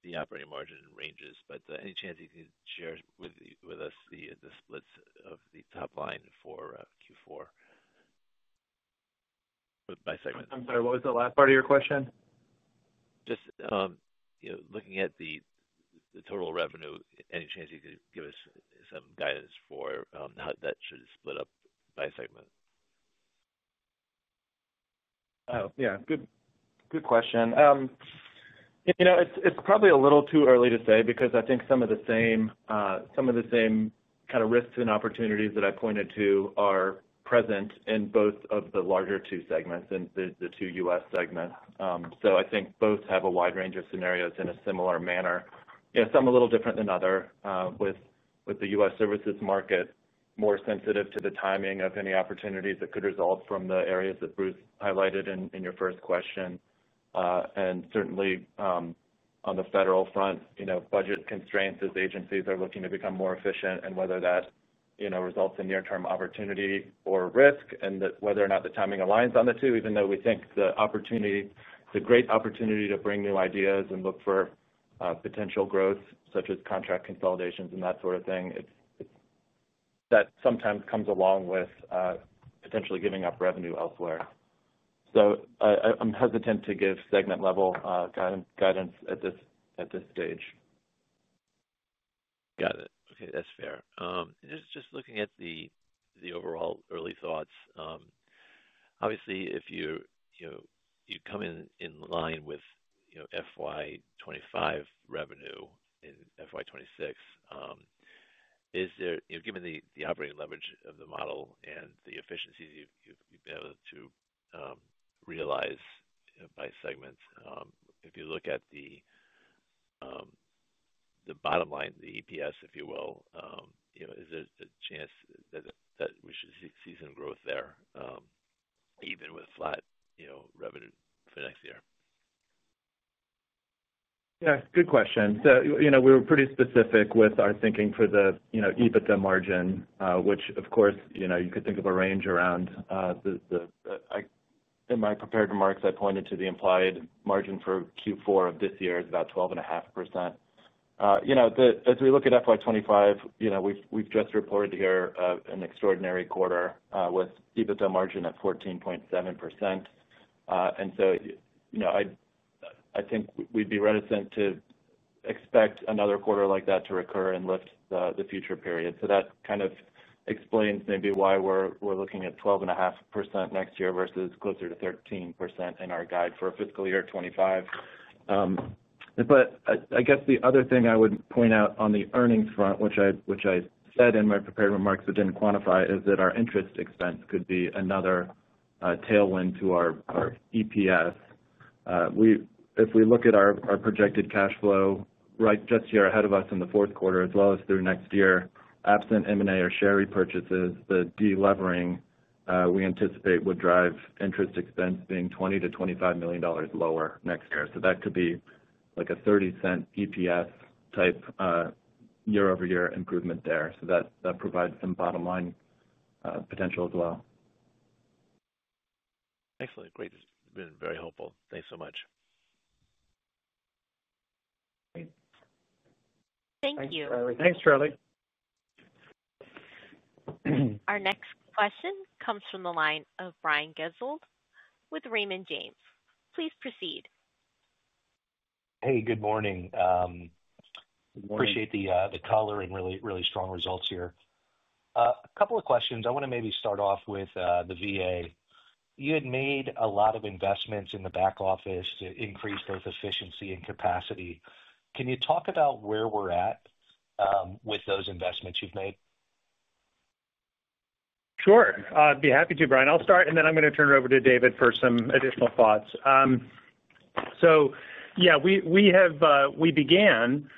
the operating margin and ranges. Any chance you can share with us the splits of the top line for Q4 by segment? I'm sorry, what was the last part of your question? Just looking at the total revenue, any chance you could give us some guidance for how that should split up by segment? Oh, yeah, good question. You know, it's probably a little too early to say because I think some of the same kind of risks and opportunities that I pointed to are present in both of the larger two segments and the two U.S. segments. I think both have a wide range of scenarios in a similar manner. Yeah, some a little different than other, with the U.S. services market more sensitive to the timing of any opportunities that could result from the areas that Bruce highlighted in your first question. Certainly, on the federal front, budget constraints as agencies are looking to become more efficient and whether that results in near-term opportunity or risk and whether or not the timing aligns on the two, even though we think the opportunity, the great opportunity to bring new ideas and look for potential growth, such as contract consolidations and that sort of thing, that sometimes comes along with potentially giving up revenue elsewhere. I'm hesitant to give segment-level guidance at this stage. Got it. Okay, that's fair. Just looking at the overall early thoughts, obviously, if you come in line with FY 2025 revenue and FY 2026, given the operating leverage of the model and the efficiency you've been able to realize by segment, if you look at the bottom line, the EPS, if you will, is there a chance that we should see some growth there, even with flat revenue for next year? Yeah, good question. We were pretty specific with our thinking for the EBITDA margin, which, of course, you could think of a range around. In my prepared remarks, I pointed to the implied margin for Q4 of this year is about 12.5%. As we look at FY 2025, we've just reported here an extraordinary quarter with EBITDA margin at 14.7%. I think we'd be reticent to expect another quarter like that to recur and lift the future period. That kind of explains maybe why we're looking at 12.5% next year versus closer to 13% in our guide for fiscal year 2025. I guess the other thing I would point out on the earnings front, which I said in my prepared remarks but didn't quantify, is that our interest expense could be another tailwind to our EPS. If we look at our projected cash flow right just here ahead of us in the fourth quarter, as well as through next year, absent M&A or share repurchases, the delevering we anticipate would drive interest expense being $20 million-$25 million lower next year. That could be like a $0.30 EPS type year-over-year improvement there. That provides bottom line potential as well. Excellent. Great. It's been very helpful. Thanks so much. Thank you. Thanks, Charlie. Thanks, Charlie. Our next question comes from the line of Brian Gesuale with Raymond James. Please proceed. Hey, good morning. Appreciate the caller and really, really strong results here. A couple of questions. I want to maybe start off with the VA. You had made a lot of investments in the back office to increase both efficiency and capacity. Can you talk about where we're at with those investments you've made? Sure. I'd be happy to, Brian. I'll start, and then I'm going to turn it over to David for some additional thoughts. We began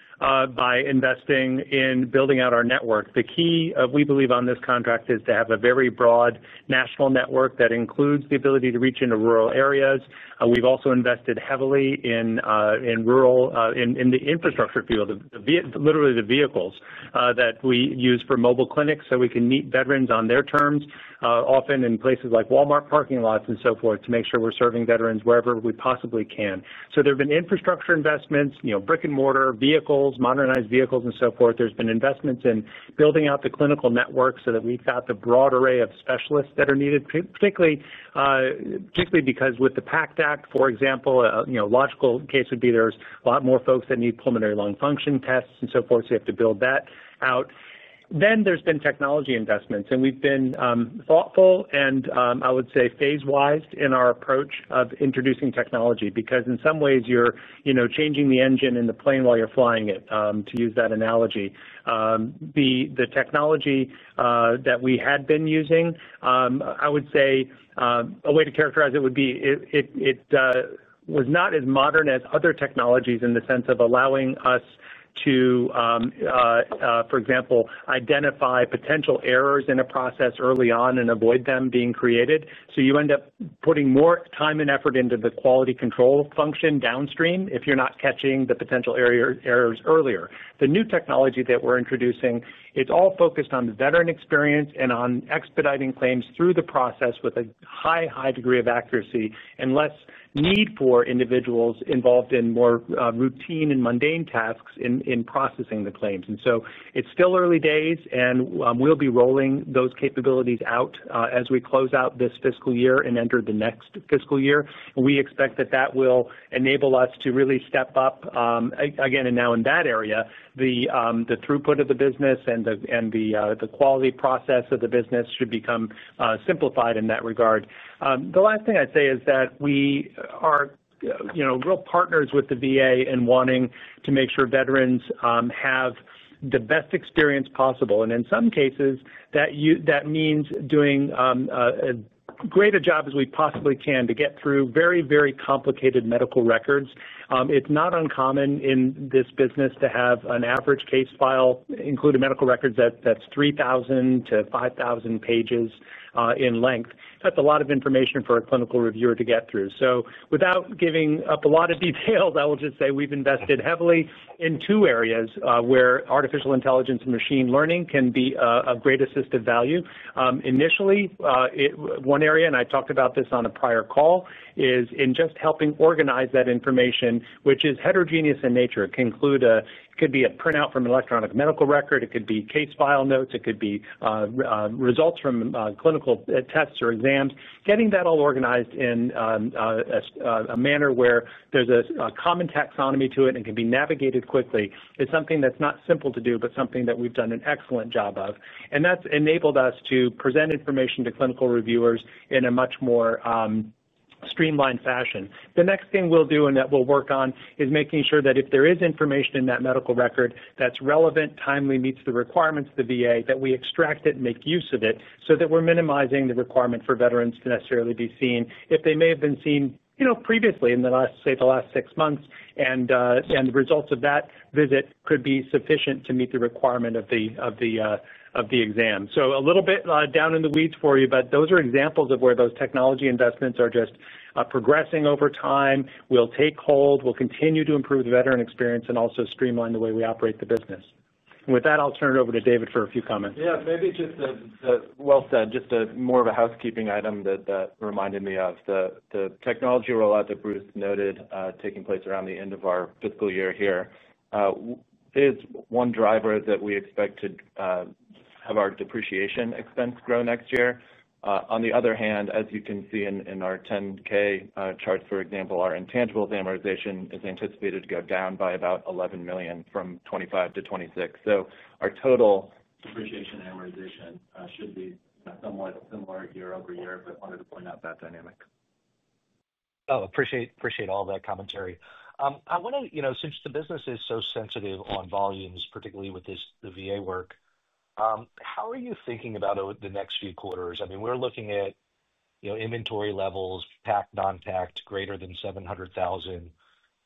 by investing in building out our network. The key, we believe, on this contract is to have a very broad national network that includes the ability to reach into rural areas. We've also invested heavily in the infrastructure field, literally the vehicles that we use for mobile clinics so we can meet veterans on their terms, often in places like Walmart parking lots and so forth, to make sure we're serving veterans wherever we possibly can. There have been infrastructure investments, brick and mortar, vehicles, modernized vehicles, and so forth. There's been investments in building out the clinical network so that we've got the broad array of specialists that are needed, particularly because with the PACT Act, for example, a logical case would be there's a lot more folks that need pulmonary lung function tests and so forth, so you have to build that out. There's been technology investments, and we've been thoughtful and, I would say, phase-wise in our approach of introducing technology because in some ways, you're changing the engine in the plane while you're flying it, to use that analogy. The technology that we had been using, I would say a way to characterize it would be it was not as modern as other technologies in the sense of allowing us to, for example, identify potential errors in a process early on and avoid them being created. You end up putting more time and effort into the quality control function downstream if you're not catching the potential errors earlier. The new technology that we're introducing, it's all focused on the veteran experience and on expediting claims through the process with a high, high degree of accuracy and less need for individuals involved in more routine and mundane tasks in processing the claims. It's still early days, and we'll be rolling those capabilities out as we close out this fiscal year and enter the next fiscal year. We expect that that will enable us to really step up, again, and now in that area, the throughput of the business and the quality process of the business should become simplified in that regard. The last thing I'd say is that we are real partners with the VA in wanting to make sure veterans have the best experience possible. In some cases, that means doing as great a job as we possibly can to get through very, very complicated medical records. It's not uncommon in this business to have an average case file include a medical record that's 3,000 to 5,000 pages in length. That's a lot of information for a clinical reviewer to get through. Without giving up a lot of details, I will just say we've invested heavily in two areas where artificial intelligence and machine learning can be of great assistive value. Initially, one area, and I talked about this on a prior call, is in just helping organize that information, which is heterogeneous in nature. It could be a printout from an electronic medical record. It could be case file notes. It could be results from clinical tests or exams. Getting that all organized in a manner where there's a common taxonomy to it and can be navigated quickly is something that's not simple to do, but something that we've done an excellent job of. That's enabled us to present information to clinical reviewers in a much more streamlined fashion. The next thing we'll do and that we'll work on is making sure that if there is information in that medical record that's relevant, timely, meets the requirements of the VA, that we extract it and make use of it so that we're minimizing the requirement for veterans to necessarily be seen if they may have been seen previously in the last, say, the last six months, and the results of that visit could be sufficient to meet the requirement of the exam. A little bit down in the weeds for you, but those are examples of where those technology investments are just progressing over time, will take hold, will continue to improve the veteran experience, and also streamline the way we operate the business. With that, I'll turn it over to David for a few comments. Maybe just more of a housekeeping item that reminded me of the technology rollout that Bruce noted taking place around the end of our fiscal year here. It's one driver that we expect to have our depreciation expense grow next year. On the other hand, as you can see in our 10-K charts, for example, our intangibles amortization is anticipated to go down by about $11 million from 2025 to 2026. Our total depreciation amortization should be somewhat similar year-over-year, but wanted to point out that dynamic. Appreciate all that commentary. I want to, you know, since the business is so sensitive on volumes, particularly with the VA work, how are you thinking about the next few quarters? I mean, we're looking at, you know, inventory levels, PACT, non-PACT, greater than 700,000.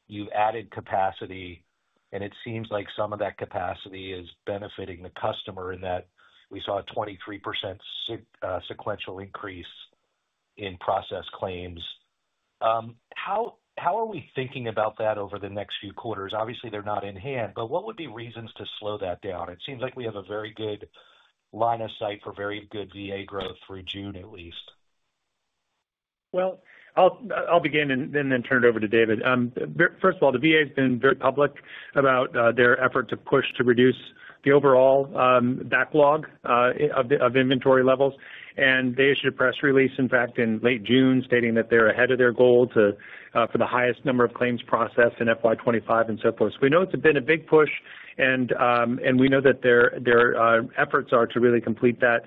You've added capacity, and it seems like some of that capacity is benefiting the customer in that we saw a 23% sequential increase in processed claims. How are we thinking about that over the next few quarters? Obviously, they're not in hand, but what would be reasons to slow that down? It seems like we have a very good line of sight for very good VA growth through June, at least. I'll begin and then turn it over to David. First of all, the VA has been very public about their effort to push to reduce the overall backlog of inventory levels. They issued a press release, in fact, in late June, stating that they're ahead of their goal for the highest number of claims processed in FY 2025 and so forth. We know it's been a big push, and we know that their efforts are to really complete that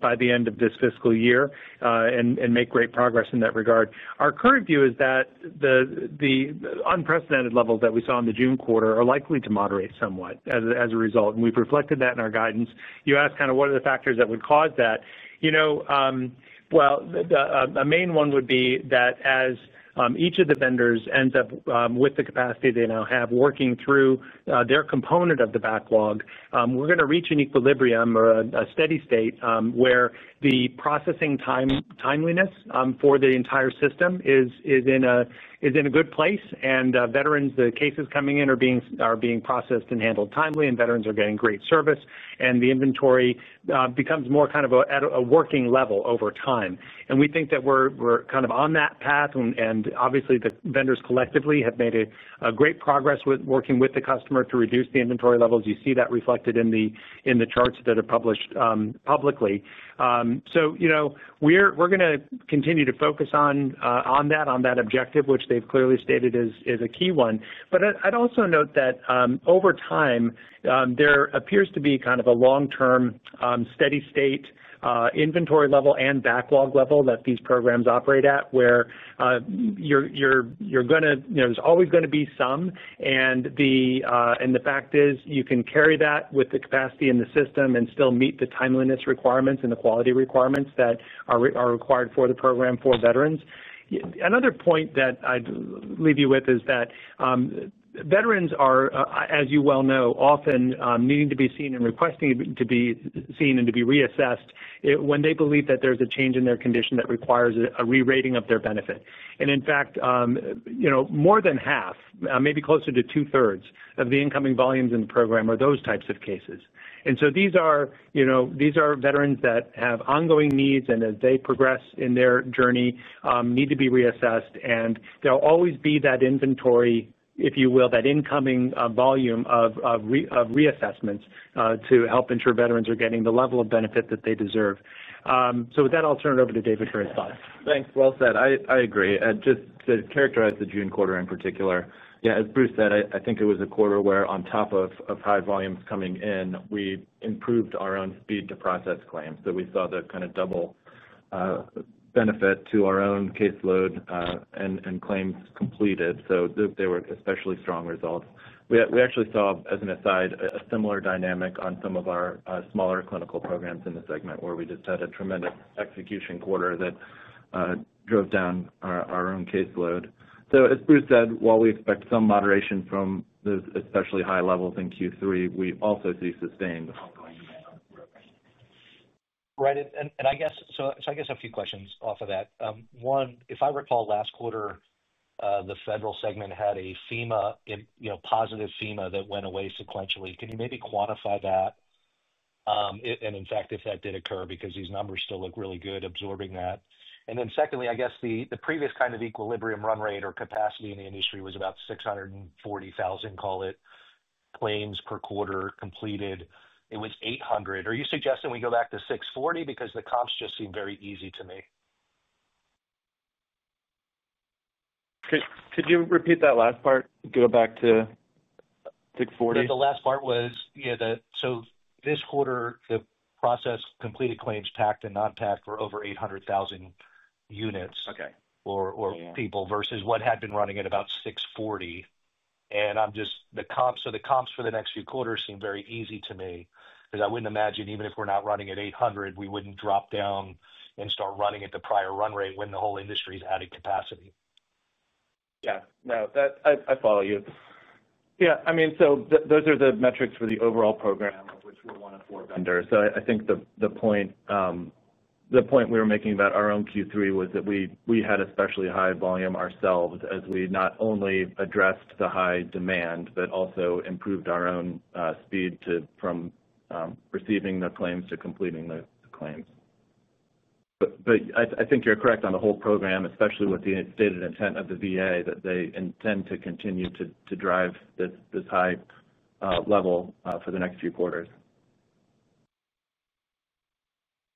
by the end of this fiscal year and make great progress in that regard. Our current view is that the unprecedented levels that we saw in the June quarter are likely to moderate somewhat as a result, and we've reflected that in our guidance. You asked kind of what are the factors that would cause that. A main one would be that as each of the vendors ends up with the capacity they now have working through their component of the backlog, we're going to reach an equilibrium or a steady state where the processing timeliness for the entire system is in a good place, and the cases coming in are being processed and handled timely, and veterans are getting great service, and the inventory becomes more kind of a working level over time. We think that we're kind of on that path, and obviously, the vendors collectively have made great progress with working with the customer to reduce the inventory levels. You see that reflected in the charts that are published publicly. We're going to continue to focus on that objective, which they've clearly stated is a key one. I'd also note that over time, there appears to be kind of a long-term steady state inventory level and backlog level that these programs operate at, where you're going to, you know, there's always going to be some, and the fact is you can carry that with the capacity in the system and still meet the timeliness requirements and the quality requirements that are required for the program for veterans. Another point that I'd leave you with is that veterans are, as you well know, often needing to be seen and requesting to be seen and to be reassessed when they believe that there's a change in their condition that requires a re-rating of their benefit. In fact, more than half, maybe closer to two-thirds of the incoming volumes in the program are those types of cases. These are veterans that have ongoing needs, and as they progress in their journey, need to be reassessed, and there will always be that inventory, if you will, that incoming volume of reassessments to help ensure veterans are getting the level of benefit that they deserve. With that, I'll turn it over to David for his thoughts. Thanks. Well said. I agree. To characterize the June quarter in particular, as Bruce said, I think it was a quarter where on top of high volumes coming in, we improved our own speed to process claims. We saw the kind of double benefit to our own caseload and claims completed. They were especially strong results. We actually saw, as an aside, a similar dynamic on some of our smaller clinical programs in the segment where we just had a tremendous execution quarter that drove down our own caseload. As Bruce said, while we expect some moderation from those especially high levels in Q3, we also see sustained. Right. I guess a few questions off of that. One, if I recall last quarter, the federal segment had a positive FEMA that went away sequentially. Can you maybe quantify that? In fact, if that did occur, because these numbers still look really good absorbing that. Secondly, I guess the previous kind of equilibrium run rate or capacity in the industry was about 640,000, call it, claims per quarter completed. It was 800. Are you suggesting we go back to 640 because the comps just seem very easy to make? Could you repeat that last part? Go back to 640? The last part was, yeah, this quarter, the process completed claims PACT and non-PACT were over 800,000 units or people versus what had been running at about 640,000. I'm just, the comps for the next few quarters seem very easy to me because I wouldn't imagine even if we're not running at 800,000, we wouldn't drop down and start running at the prior run rate when the whole industry's added capacity. Yeah, I follow you. I mean, those are the metrics for the overall program, which we're one of four vendors. I think the point we were making about our own Q3 was that we had especially high volume ourselves as we not only addressed the high demand, but also improved our own speed from receiving the claims to completing the claims. I think you're correct on the whole program, especially with the stated intent of the VA that they intend to continue to drive this high level for the next few quarters.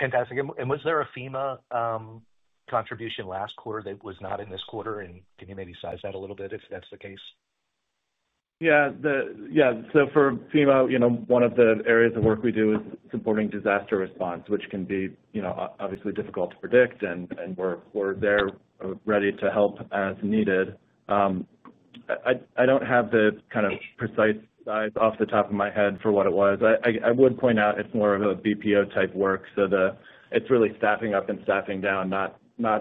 Fantastic. Was there a FEMA contribution last quarter that was not in this quarter? Can you maybe size that a little bit if that's the case? Yeah. For FEMA, one of the areas of work we do is supporting disaster response, which can be, obviously, difficult to predict, and we're there ready to help as needed. I don't have the kind of precise size off the top of my head for what it was. I would point out it's more of a BPO-type work. It's really staffing up and staffing down, not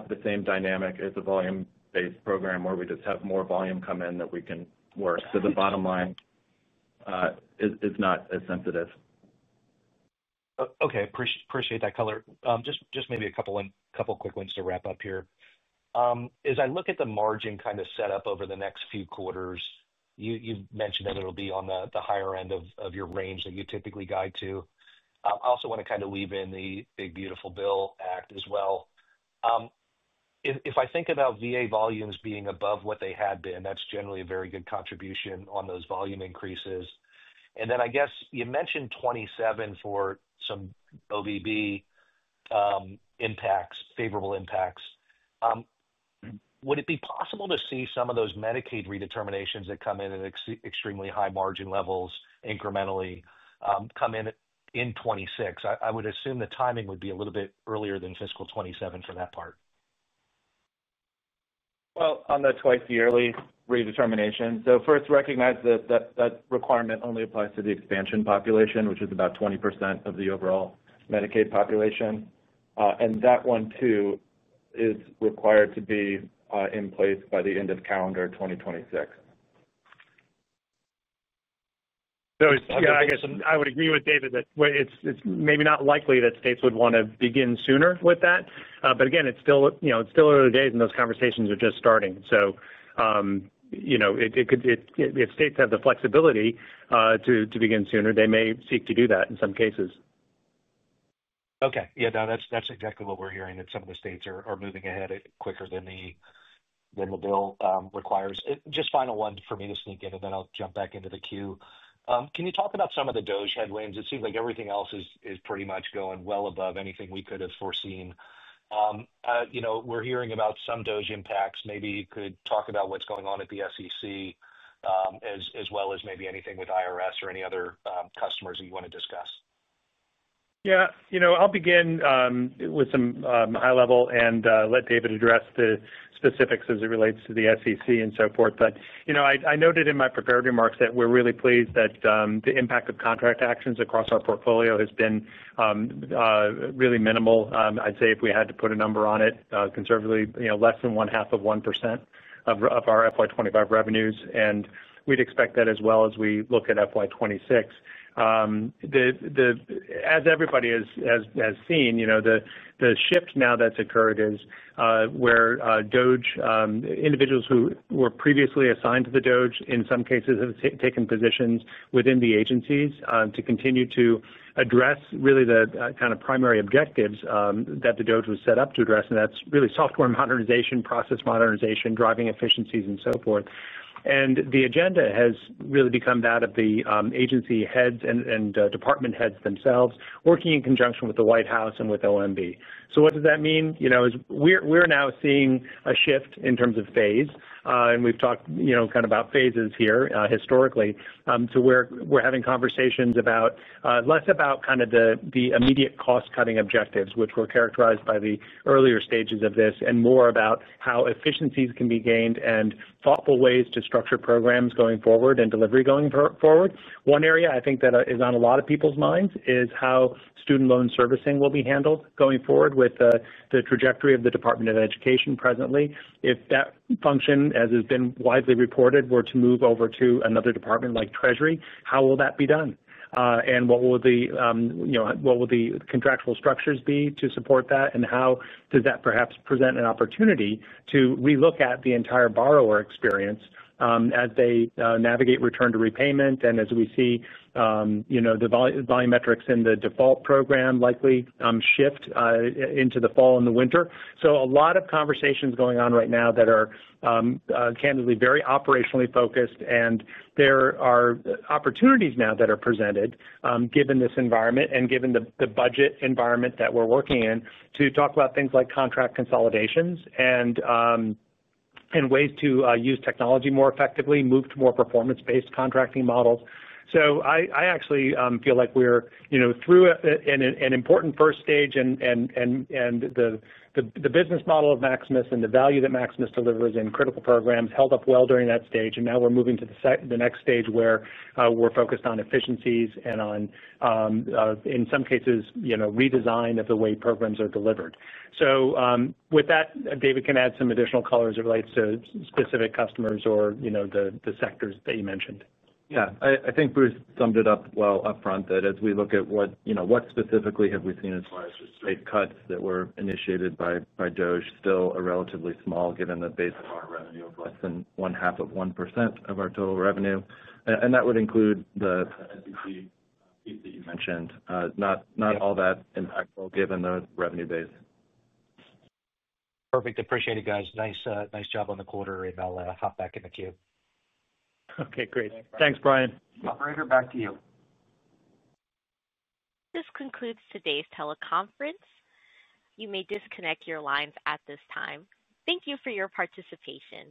the same dynamic as a volume-based program where we just have more volume come in that we can work. The bottom line is not as sensitive. Okay. Appreciate that color. Just maybe a couple quick ones to wrap up here. As I look at the margin kind of setup over the next few quarters, you've mentioned that it'll be on the higher end of your range that you typically guide to. I also want to kind of weave in the One Big Beautiful Bill Act as well. If I think about VA volumes being above what they had been, that's generally a very good contribution on those volume increases. I guess you mentioned 2027 for some OVB impacts, favorable impacts. Would it be possible to see some of those Medicaid eligibility redeterminations that come in at extremely high margin levels incrementally come in in 2026? I would assume the timing would be a little bit earlier than fiscal 2027 for that part. On the twice-yearly redetermination, first, recognize that that requirement only applies to the expansion population, which is about 20% of the overall Medicaid population. That one, too, is required to be in place by the end of calendar 2026. I would agree with David that it's maybe not likely that states would want to begin sooner with that. Again, it's still early days and those conversations are just starting. If states have the flexibility to begin sooner, they may seek to do that in some cases. Yeah, that's exactly what we're hearing, that some of the states are moving ahead quicker than the bill requires. Just final one for me to sneak in, and then I'll jump back into the queue. Can you talk about some of the DOGE headwinds? It seems like everything else is pretty much going well above anything we could have foreseen. We're hearing about some DOGE impacts. Maybe you could talk about what's going on at the SEC, as well as maybe anything with IRS or any other customers that you want to discuss. Yeah, you know, I'll begin with some high level and let David address the specifics as it relates to the SEC and so forth. I noted In my prepared remarks that we're really pleased that the impact of contract actions across our portfolio has been really minimal. I'd say if we had to put a number on it, conservatively, less than 0.5% of our FY 2025 revenues, and we'd expect that as well as we look at FY 2026. As everybody has seen, the shift now that's occurred is where DOGE, individuals who were previously assigned to the DOGE, in some cases have taken positions within the agencies to continue to address really the kind of primary objectives that the DOGE was set up to address, and that's really software modernization, process modernization, driving efficiencies, and so forth. The agenda has really become that of the agency heads and department heads themselves, working in conjunction with the White House and with OMB. What does that mean? We're now seeing a shift in terms of phase, and we've talked about phases here historically, to where we're having conversations less about the immediate cost-cutting objectives, which were characterized by the earlier stages of this, and more about how efficiencies can be gained and thoughtful ways to structure programs going forward and delivery going forward. One area I think that is on a lot of people's minds is how student loan servicing will be handled going forward with the trajectory of the Department of Education presently. If that function, as has been widely reported, were to move over to another department like Treasury, how will that be done? What will the contractual structures be to support that? How does that perhaps present an opportunity to relook at the entire borrower experience as they navigate return to repayment and as we see the volume metrics in the default program likely shift into the fall and the winter? A lot of conversations going on right now that are candidly very operationally focused, and there are opportunities now that are presented given this environment and given the budget environment that we're working in to talk about things like contract consolidations and ways to use technology more effectively, move to more performance-based contracting models. I actually feel like we're through an important first stage, and the business model of Maximus and the value that Maximus delivers in critical programs held up well during that stage, and now we're moving to the next stage where we're focused on efficiencies and on, in some cases, redesign of the way programs are delivered. With that, David can add some additional color as it relates to specific customers or the sectors that you mentioned. I think Bruce summed it up well upfront that as we look at what, you know, what specifically have we seen as far as the state cuts that were initiated by DOGE, still a relatively small given the base of our revenue of less than 0.5% of our total revenue. That would include the SEC that you mentioned, not all that impactful given the revenue base. Perfect. Appreciate it, guys. Nice job on the quarter. I'll hop back in the queue. Okay, great. Thanks, Brian. Operator, back to you. This concludes today's teleconference. You may disconnect your lines at this time. Thank you for your participation.